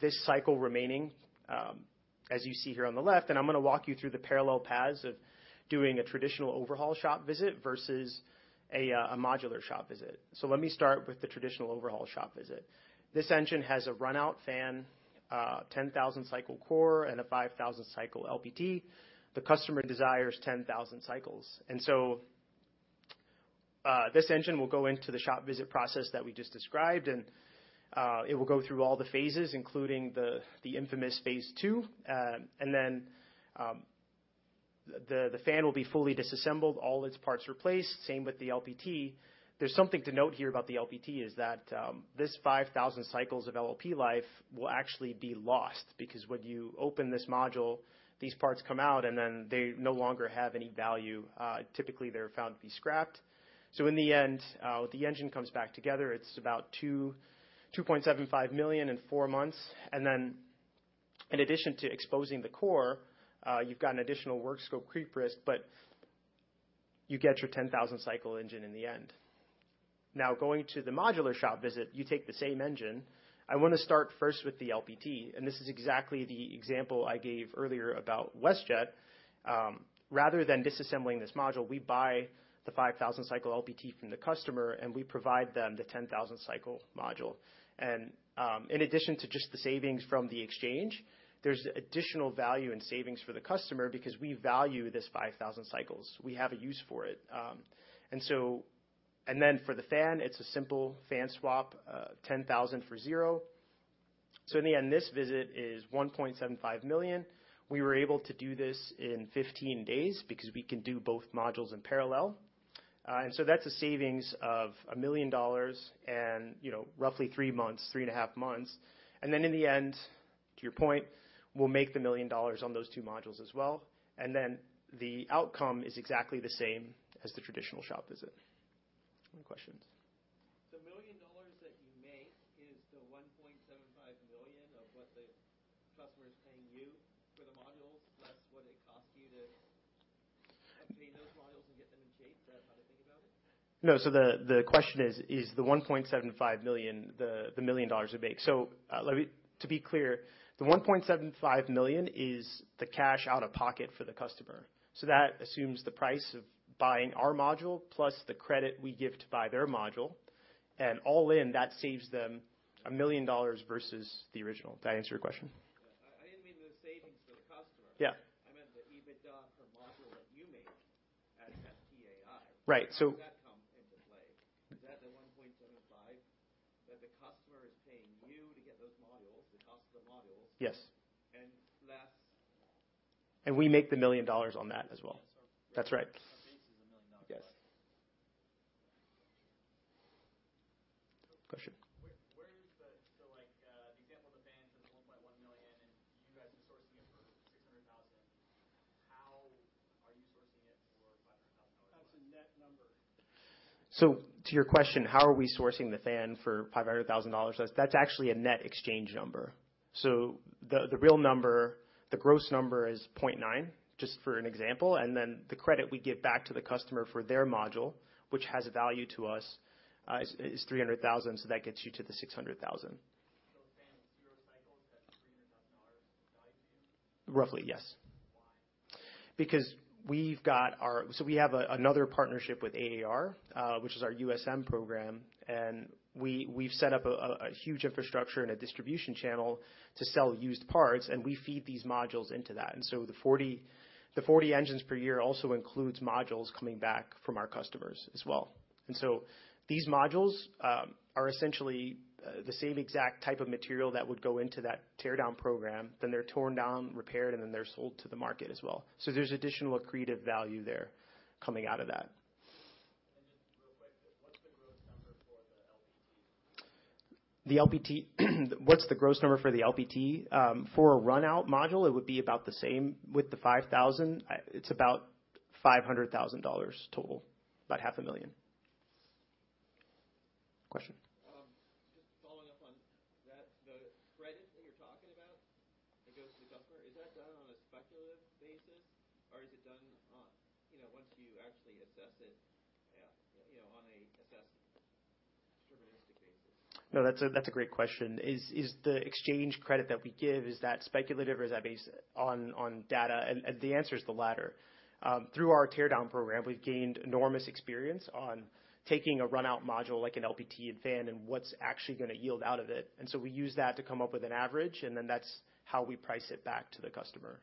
[SPEAKER 6] this cycle remaining, as you see here on the left, and I'm gonna walk you through the parallel paths of doing a traditional overhaul shop visit versus a modular shop visit. Let me start with the traditional overhaul shop visit. This engine has a run-out fan, 10,000 cycle core, and a 5,000 cycle LPT. The customer desires 10,000 cycles, this engine will go into the shop visit process that we just described, and it will go through all the phases, including the infamous phase two. The fan will be fully disassembled, all its parts replaced. Same with the LPT. There's something to note here about the LPT, is that this 5,000 cycles of LLP life will actually be lost, because when you open this module, these parts come out, and then they no longer have any value. Typically, they're found to be scrapped. The engine comes back together, it's about $2.75 million in 4 months. In addition to exposing the core, you've got an additional work scope creep risk, but you get your 10,000 cycle engine in the end. Going to the modular shop visit, you take the same engine. I wanna start first with the LPT, and this is exactly the example I gave earlier about WestJet. Rather than disassembling this module, we buy the 5,000 cycle LPT from the customer, and we provide them the 10,000 cycle module. In addition to just the savings from the exchange, there's additional value and savings for the customer because we value this 5,000 cycles. We have a use for it. Then for the fan, it's a simple fan swap, 10,000 for zero. In the end, this visit is $1.75 million. We were able to do this in 15 days because we can do both modules in parallel. That's a savings of $1 million and, you know, roughly 3 months, 3 and a half months. In the end, to your point, we'll make $1 million on those two modules as well, and then the outcome is exactly the same as the traditional shop visit. Any questions?
[SPEAKER 17] The $1 million that you make is the $1.75 million of what the customer is paying you for the modules, plus what it costs you to obtain those modules and get them in shape. Is that how to think about it?
[SPEAKER 6] No. The question is the $1.75 million, the $1 million we make? To be clear, the $1.75 million is the cash out of pocket for the customer. That assumes the price of buying our module, plus the credit we give to buy their module, and all in, that saves them $1 million versus the original. Did I answer your question?
[SPEAKER 17] I didn't mean the savings to the customer.
[SPEAKER 6] Yeah.
[SPEAKER 17] I meant the EBITDA per module that you make at FTAI.
[SPEAKER 6] Right.
[SPEAKER 17] Where does that come into play? Is that the $1.75, that the customer is paying you to get those modules, the cost of the modules?
[SPEAKER 6] Yes.
[SPEAKER 17] Less?
[SPEAKER 6] We make the $1 million on that as well.
[SPEAKER 17] Yes.
[SPEAKER 6] That's right.
[SPEAKER 17] base is $1 million.
[SPEAKER 6] Yes. Question?
[SPEAKER 17] Like, the example of the fan for the $1.1 million, and you guys are sourcing it for $600,000. How are you sourcing it for $500,000? That's a net number.
[SPEAKER 6] To your question, how are we sourcing the fan for $500,000? That's actually a net exchange number. The real number, the gross number is $900,000, just for an example, and then the credit we give back to the customer for their module, which has a value to us, is $300,000, so that gets you to the $600,000....
[SPEAKER 17] 0 cycles at $300,000 in value?
[SPEAKER 6] Roughly, yes.
[SPEAKER 17] Why?
[SPEAKER 6] Because we have another partnership with AAR, which is our USM program, and we've set up a huge infrastructure and a distribution channel to sell used parts, and we feed these modules into that. The 40 engines per year also includes modules coming back from our customers as well. These modules are essentially the same exact type of material that would go into that tear down program. They're torn down, repaired, and then they're sold to the market as well. There's additional accretive value there coming out of that.
[SPEAKER 17] Just real quick, what's the gross number for the LPT?
[SPEAKER 6] The LPT? What's the gross number for the LPT? For a run-out module, it would be about the same. With the $500,000 total, about half a million. Question?
[SPEAKER 17] Just following up on that, the credit that you're talking about that goes to the customer, is that done on a speculative basis, or is it done on, you know, once you actually assess it, you know, on a assessed deterministic basis?
[SPEAKER 6] No, that's a great question. Is the exchange credit that we give, is that speculative, or is that based on data? The answer is the latter. Through our tear down program, we've gained enormous experience on taking a run-out module like an LPT and fan, and what's actually gonna yield out of it. We use that to come up with an average, and that's how we price it back to the customer.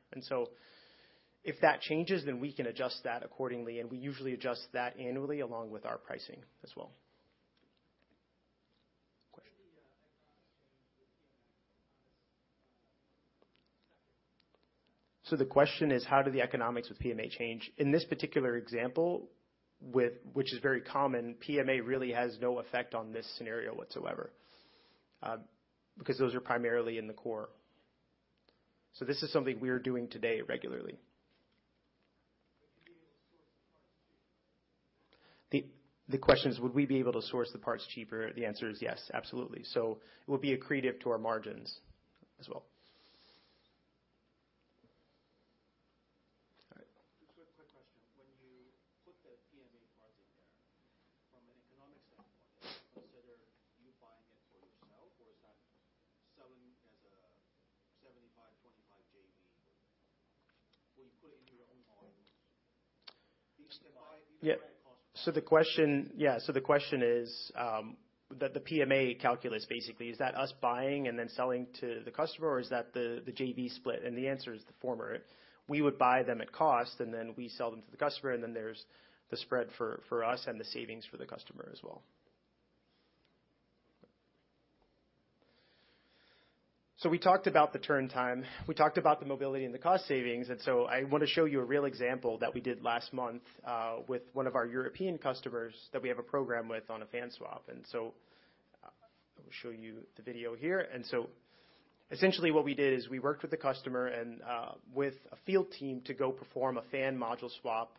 [SPEAKER 6] If that changes, then we can adjust that accordingly, and we usually adjust that annually, along with our pricing as well. Question?
[SPEAKER 17] How do the economics change with PMA?
[SPEAKER 6] The question is, how do the economics with PMA change? In this particular example, which is very common, PMA really has no effect on this scenario whatsoever, because those are primarily in the core. This is something we're doing today regularly.
[SPEAKER 17] Would you be able to source the parts cheaper?
[SPEAKER 6] The question is, would we be able to source the parts cheaper? The answer is yes, absolutely. It would be accretive to our margins as well. All right.
[SPEAKER 18] Just a quick question. When you put the PMA parts in there, from an economic standpoint, is it considered you buying it for yourself, or is that selling as a 75/25 JV? Will you put it into your own modules? Do you buy it cost?
[SPEAKER 6] The question is that the PMA calculus, basically, is that us buying and then selling to the customer, or is that the JV split? The answer is the former. We would buy them at cost, and then we sell them to the customer, and then there's the spread for us and the savings for the customer as well. We talked about the turn time, we talked about the mobility and the cost savings, so I want to show you a real example that we did last month with one of our European customers that we have a program with on a fan swap. I will show you the video here. Essentially what we did is we worked with the customer and with a field team to go perform a fan module swap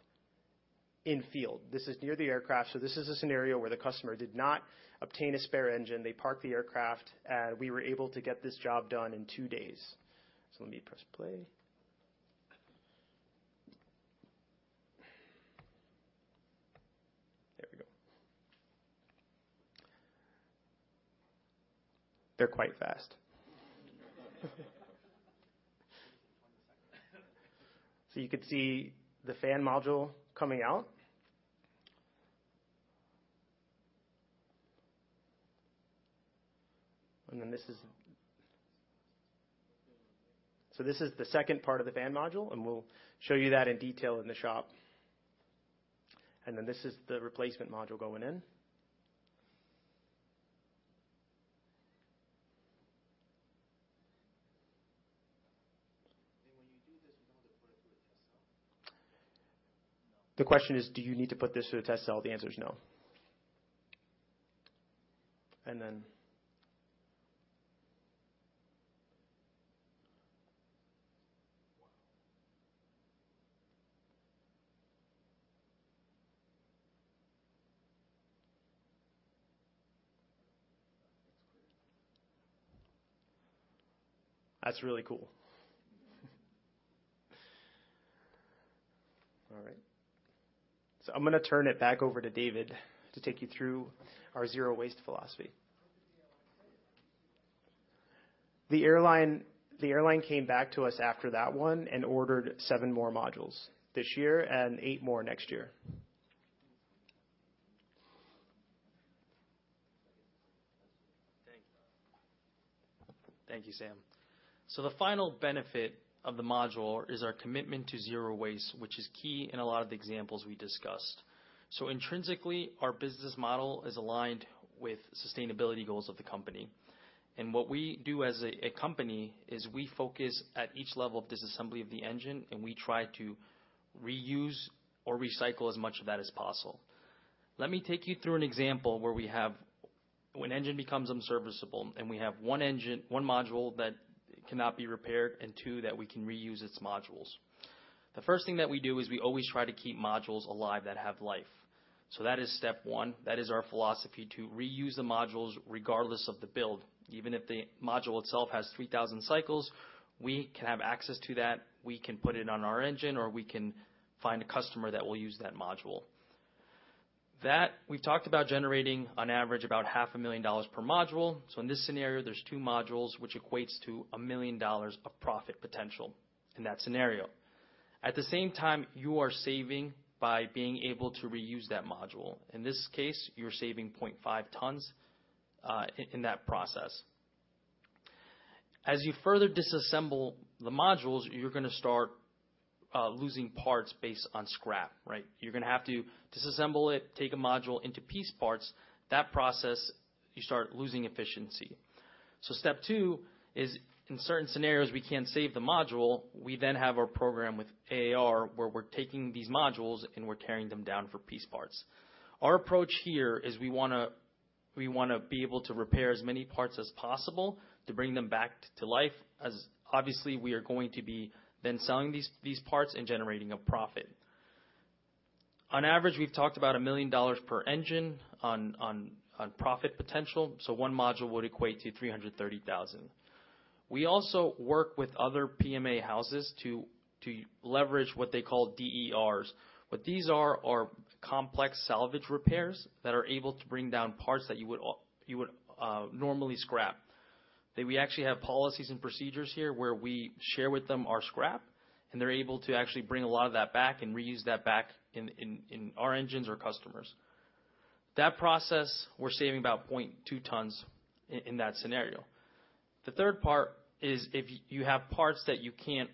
[SPEAKER 6] in field. This is near the aircraft, so this is a scenario where the customer did not obtain a spare engine. They parked the aircraft. We were able to get this job done in two days. Let me press play. There we go. They're quite fast.
[SPEAKER 18] 20 seconds.
[SPEAKER 6] You could see the fan module coming out. This is the second part of the fan module, and we'll show you that in detail in the shop. This is the replacement module going in.
[SPEAKER 18] When you do this, you don't have to put it through a test cell?
[SPEAKER 6] The question is, do you need to put this through a test cell? The answer is no.
[SPEAKER 18] Wow! That's great.
[SPEAKER 6] That's really cool. All right. I'm gonna turn it back over to David to take you through our zero waste philosophy. The airline- The airline came back to us after that one and ordered seven more modules this year and eight more next year.
[SPEAKER 18] Thank you.
[SPEAKER 3] Thank you, Sam. The final benefit of the module is our commitment to zero waste, which is key in a lot of the examples we discussed. Intrinsically, our business model is aligned with sustainability goals of the company. What we do as a company is we focus at each level of disassembly of the engine, and we try to reuse or recycle as much of that as possible. Let me take you through an example where when engine becomes unserviceable, and we have one module that cannot be repaired and two, that we can reuse its modules. The first thing that we do is we always try to keep modules alive that have life. That is step one. That is our philosophy, to reuse the modules regardless of the build. Even if the module itself has 3,000 cycles, we can have access to that. We can put it on our engine, or we can find a customer that will use that module. We've talked about generating on average, about half a million dollars per module. In this scenario, there's two modules, which equates to $1 million of profit potential in that scenario. At the same time, you are saving by being able to reuse that module. In this case, you're saving 0.5 tons in that process. As you further disassemble the modules, you're gonna start losing parts based on scrap, right? You're gonna have to disassemble it, take a module into piece parts. That process, you start losing efficiency. Step two is, in certain scenarios, we can't save the module, we then have our program with AAR, where we're taking these modules and we're tearing them down for piece parts. Our approach here is we wanna be able to repair as many parts as possible to bring them back to life, as obviously, we are going to be then selling these parts and generating a profit. On average, we've talked about $1 million per engine on profit potential, so one module would equate to $330,000. We also work with other PMA houses to leverage what they call DERs. What these are complex salvage repairs that are able to bring down parts that you would normally scrap. We actually have policies and procedures here where we share with them our scrap, and they're able to actually bring a lot of that back and reuse that back in our engines or customers. Process, we're saving about 0.2 tons in that scenario. Third part is if you have parts that you can't,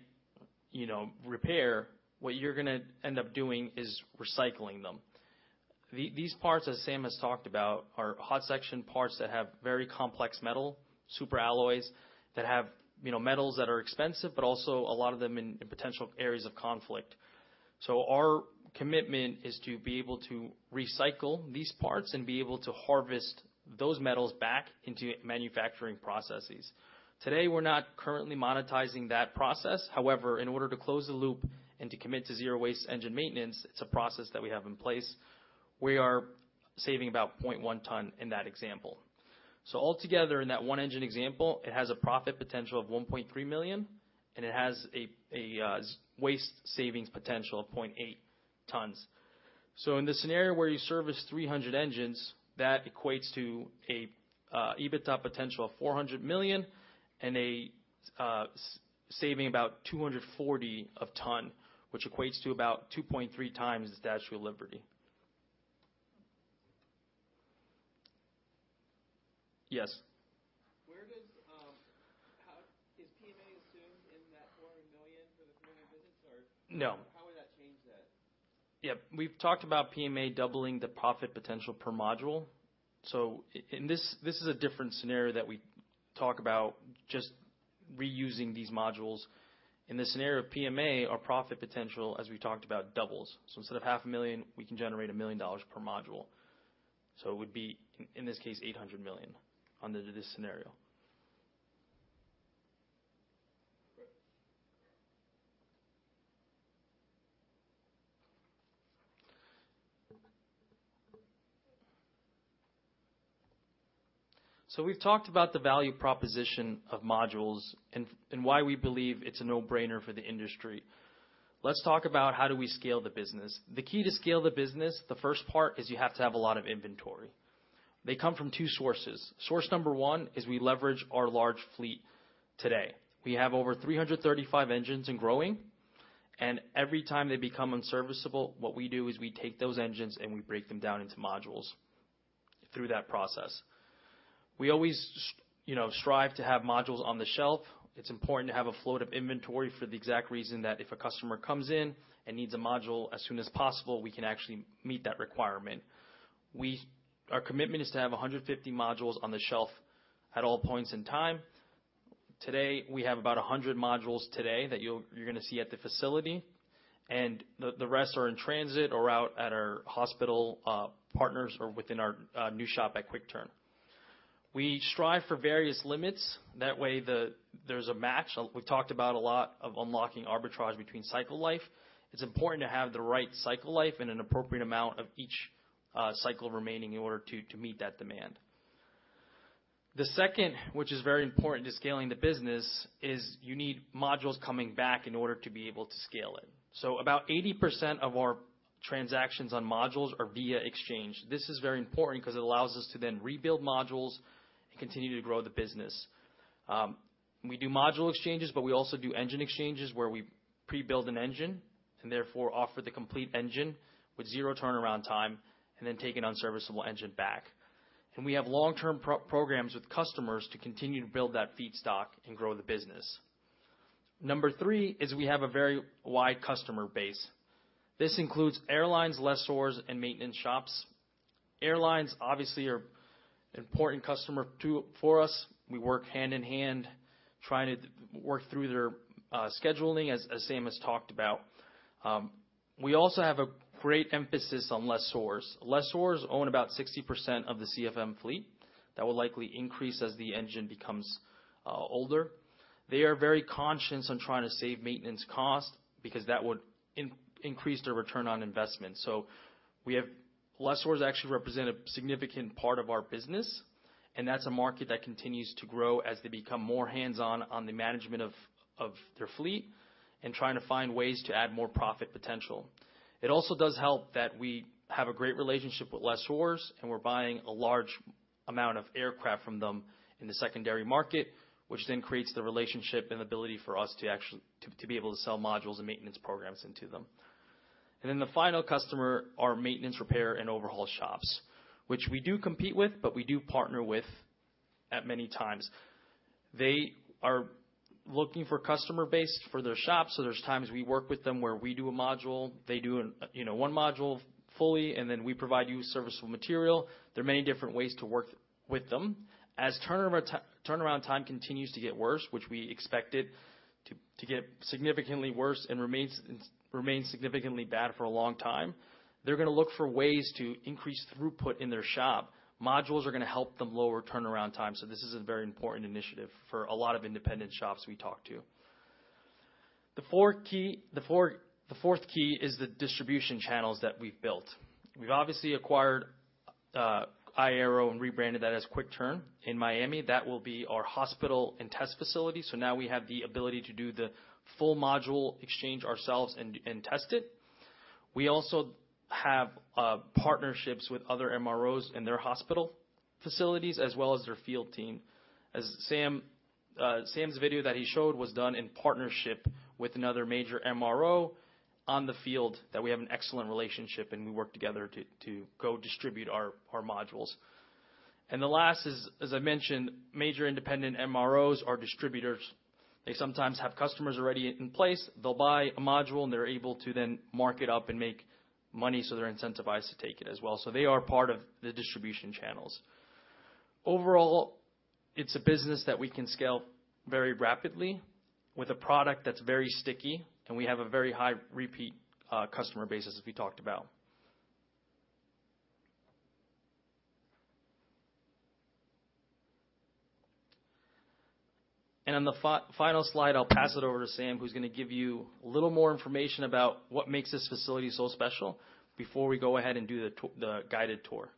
[SPEAKER 3] you know, repair, what you're gonna end up doing is recycling them. These parts, as Sam has talked about, are hot section parts that have very complex metal, superalloys, that have, you know, metals that are expensive, but also a lot of them in potential areas of conflict. Our commitment is to be able to recycle these parts and be able to harvest those metals back into manufacturing processes. Today, we're not currently monetizing that process. In order to close the loop and to commit to zero-waste engine maintenance, it's a process that we have in place. We are saving about 0.1 ton in that example. Altogether, in that one engine example, it has a profit potential of $1.3 million, and it has a waste savings potential of 0.8 tons. In the scenario where you service 300 engines, that equates to a EBITDA potential of $400 million and a saving about 240 of ton, which equates to about 2.3x the Statue of Liberty. Yes?
[SPEAKER 18] Is PMA assumed in that $400 million for the business, or?
[SPEAKER 3] No.
[SPEAKER 18] How would that change that?
[SPEAKER 3] Yeah, we've talked about PMA doubling the profit potential per module. In this is a different scenario that we talk about just reusing these modules. In the scenario of PMA, our profit potential, as we talked about, doubles. Instead of half a million, we can generate $1 million per module. It would be, in this case, $800 million under this scenario.
[SPEAKER 18] Great.
[SPEAKER 3] We've talked about the value proposition of modules and why we believe it's a no-brainer for the industry. Let's talk about how do we scale the business. The key to scale the business, the first part, is you have to have a lot of inventory. They come from two sources. Source number one is we leverage our large fleet today. We have over 335 engines and growing, and every time they become unserviceable, what we do is we take those engines, and we break them down into modules through that process. We always, you know, strive to have modules on the shelf. It's important to have a float of inventory for the exact reason that if a customer comes in and needs a module as soon as possible, we can actually meet that requirement. Our commitment is to have 150 modules on the shelf at all points in time. Today, we have about 100 modules today that you're gonna see at the facility, and the rest are in transit or out at our hospital partners or within our new shop at QuickTurn. We strive for various limits. That way, there's a match. We've talked about a lot of unlocking arbitrage between cycle life. It's important to have the right cycle life and an appropriate amount of each cycle remaining in order to meet that demand. The second, which is very important to scaling the business, is you need modules coming back in order to be able to scale it. About 80% of our transactions on modules are via exchange. This is very important because it allows us to then rebuild modules and continue to grow the business. We do module exchanges, but we also do engine exchanges, where we pre-build an engine and therefore offer the complete engine with zero turnaround time and then take an unserviceable engine back. We have long-term programs with customers to continue to build that feedstock and grow the business. Number three is we have a very wide customer base. This includes airlines, lessors, and maintenance shops. Airlines, obviously, are important customer to, for us. We work hand in hand, trying to work through their scheduling, as Sam has talked about. We also have a great emphasis on lessors. Lessors own about 60% of the CFM fleet. That will likely increase as the engine becomes older. They are very conscious on trying to save maintenance costs because that would increase their return on investment. We have. Lessors actually represent a significant part of our business. That's a market that continues to grow as they become more hands-on on the management of their fleet and trying to find ways to add more profit potential. It also does help that we have a great relationship with lessors, and we're buying a large amount of aircraft from them in the secondary market, which then creates the relationship and ability for us actually to be able to sell modules and maintenance programs into them. The final customer are maintenance, repair, and overhaul shops, which we do compete with, but we do partner with at many times. They are looking for customer base for their shops. There's times we work with them where we do a module, they do you know, one module fully, and then we provide you with serviceable material. There are many different ways to work with them. As turnaround time continues to get worse, which we expect it to get significantly worse and remains significantly bad for a long time, they're gonna look for ways to increase throughput in their shop. Modules are gonna help them lower turnaround times. This is a very important initiative for a lot of independent shops we talk to. The fourth key is the distribution channels that we've built. We've obviously acquired iAero and rebranded that as QuickTurn in Miami. That will be our hospital and test facility. Now we have the ability to do the full module exchange ourselves and test it. We also have partnerships with other MROs in their hospital facilities, as well as their field team. As Sam's video that he showed was done in partnership with another major MRO on the field, that we have an excellent relationship, and we work together to go distribute our modules. The last is, as I mentioned, major independent MROs are distributors. They sometimes have customers already in place. They'll buy a module, and they're able to then mark it up and make money, so they're incentivized to take it as well. They are part of the distribution channels. Overall, it's a business that we can scale very rapidly with a product that's very sticky, and we have a very high repeat, customer basis, as we talked about. On the final slide, I'll pass it over to Sam, who's gonna give you a little more information about what makes this facility so special before we go ahead and do the guided tour.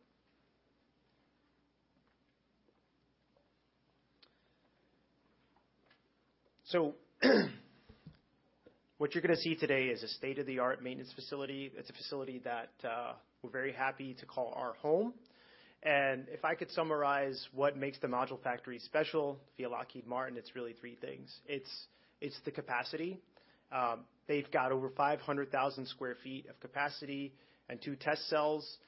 [SPEAKER 6] What you're gonna see today is a state-of-the-art maintenance facility. It's a facility that we're very happy to call our home. If I could summarize what makes the Module Factory special, via Lockheed Martin, it's really three things. It's the capacity. They've got over 500,000 sq ft of capacity and two test cells,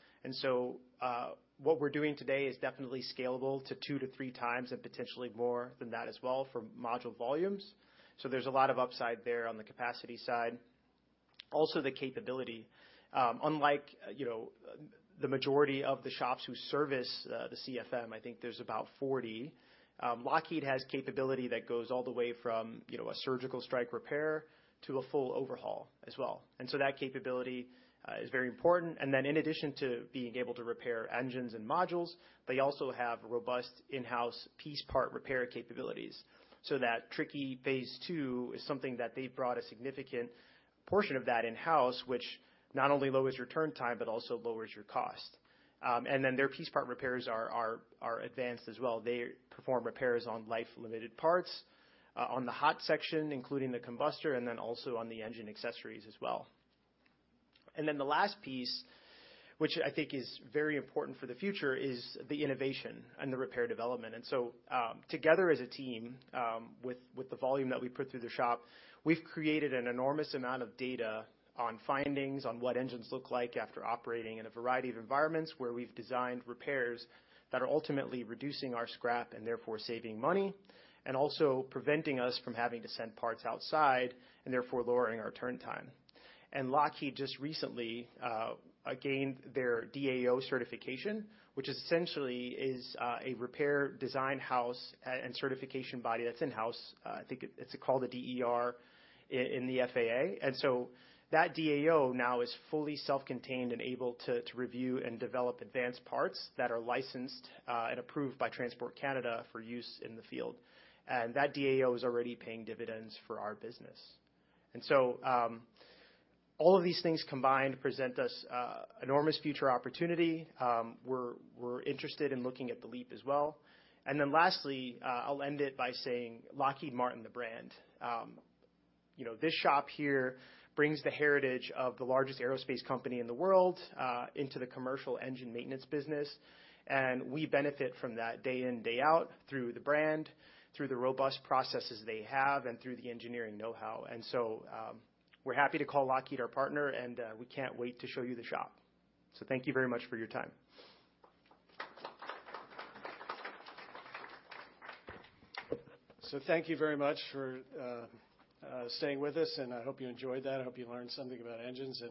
[SPEAKER 6] what we're doing today is definitely scalable to 2-3 times and potentially more than that as well for module volumes. There's a lot of upside there on the capacity side. Also, the capability. Unlike, you know, the majority of the shops who service the CFM, I think there's about 40, Lockheed has capability that goes all the way from, you know, a surgical strike repair to a full overhaul as well. That capability is very important. In addition to being able to repair engines and modules, they also have robust in-house piece part repair capabilities. That tricky phase two is something that they've brought a significant portion of that in-house, which not only lowers your turn time, but also lowers your cost. Their piece part repairs are advanced as well. They perform repairs on life-limited parts on the hot section, including the combustor, also on the engine accessories as well. The last piece, which I think is very important for the future, is the innovation and the repair development. Together as a team, with the volume that we put through the shop, we've created an enormous amount of data on findings on what engines look like after operating in a variety of environments, where we've designed repairs that are ultimately reducing our scrap and therefore saving money, and also preventing us from having to send parts outside and therefore lowering our turn time. Lockheed just recently gained their DAO certification, which essentially is a repair design house and certification body that's in-house. I think it's called a DER in the FAA. That DAO now is fully self-contained and able to review and develop advanced parts that are licensed and approved by Transport Canada for use in the field. That DAO is already paying dividends for our business. All of these things combined present us enormous future opportunity. We're interested in looking at the LEAP as well. Lastly, I'll end it by saying Lockheed Martin, the brand. You know, this shop here brings the heritage of the largest aerospace company in the world into the commercial engine maintenance business, and we benefit from that day in, day out, through the brand, through the robust processes they have, and through the engineering know-how. We're happy to call Lockheed our partner, and, we can't wait to show you the shop. Thank you very much for your time.
[SPEAKER 3] Thank you very much for staying with us, and I hope you enjoyed that. I hope you learned something about engines, and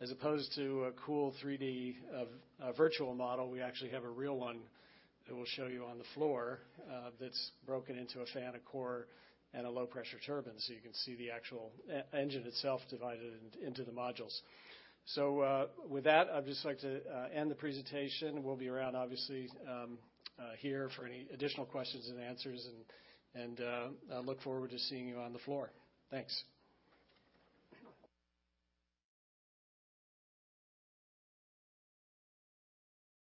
[SPEAKER 3] as opposed to a cool 3D of virtual model, we actually have a real one that we'll show you on the floor that's broken into a fan of core and a low-pressure turbine, so you can see the actual engine itself divided into the modules. With that, I'd just like to end the presentation. We'll be around, obviously, here for any additional questions and answers and I look forward to seeing you on the floor. Thanks.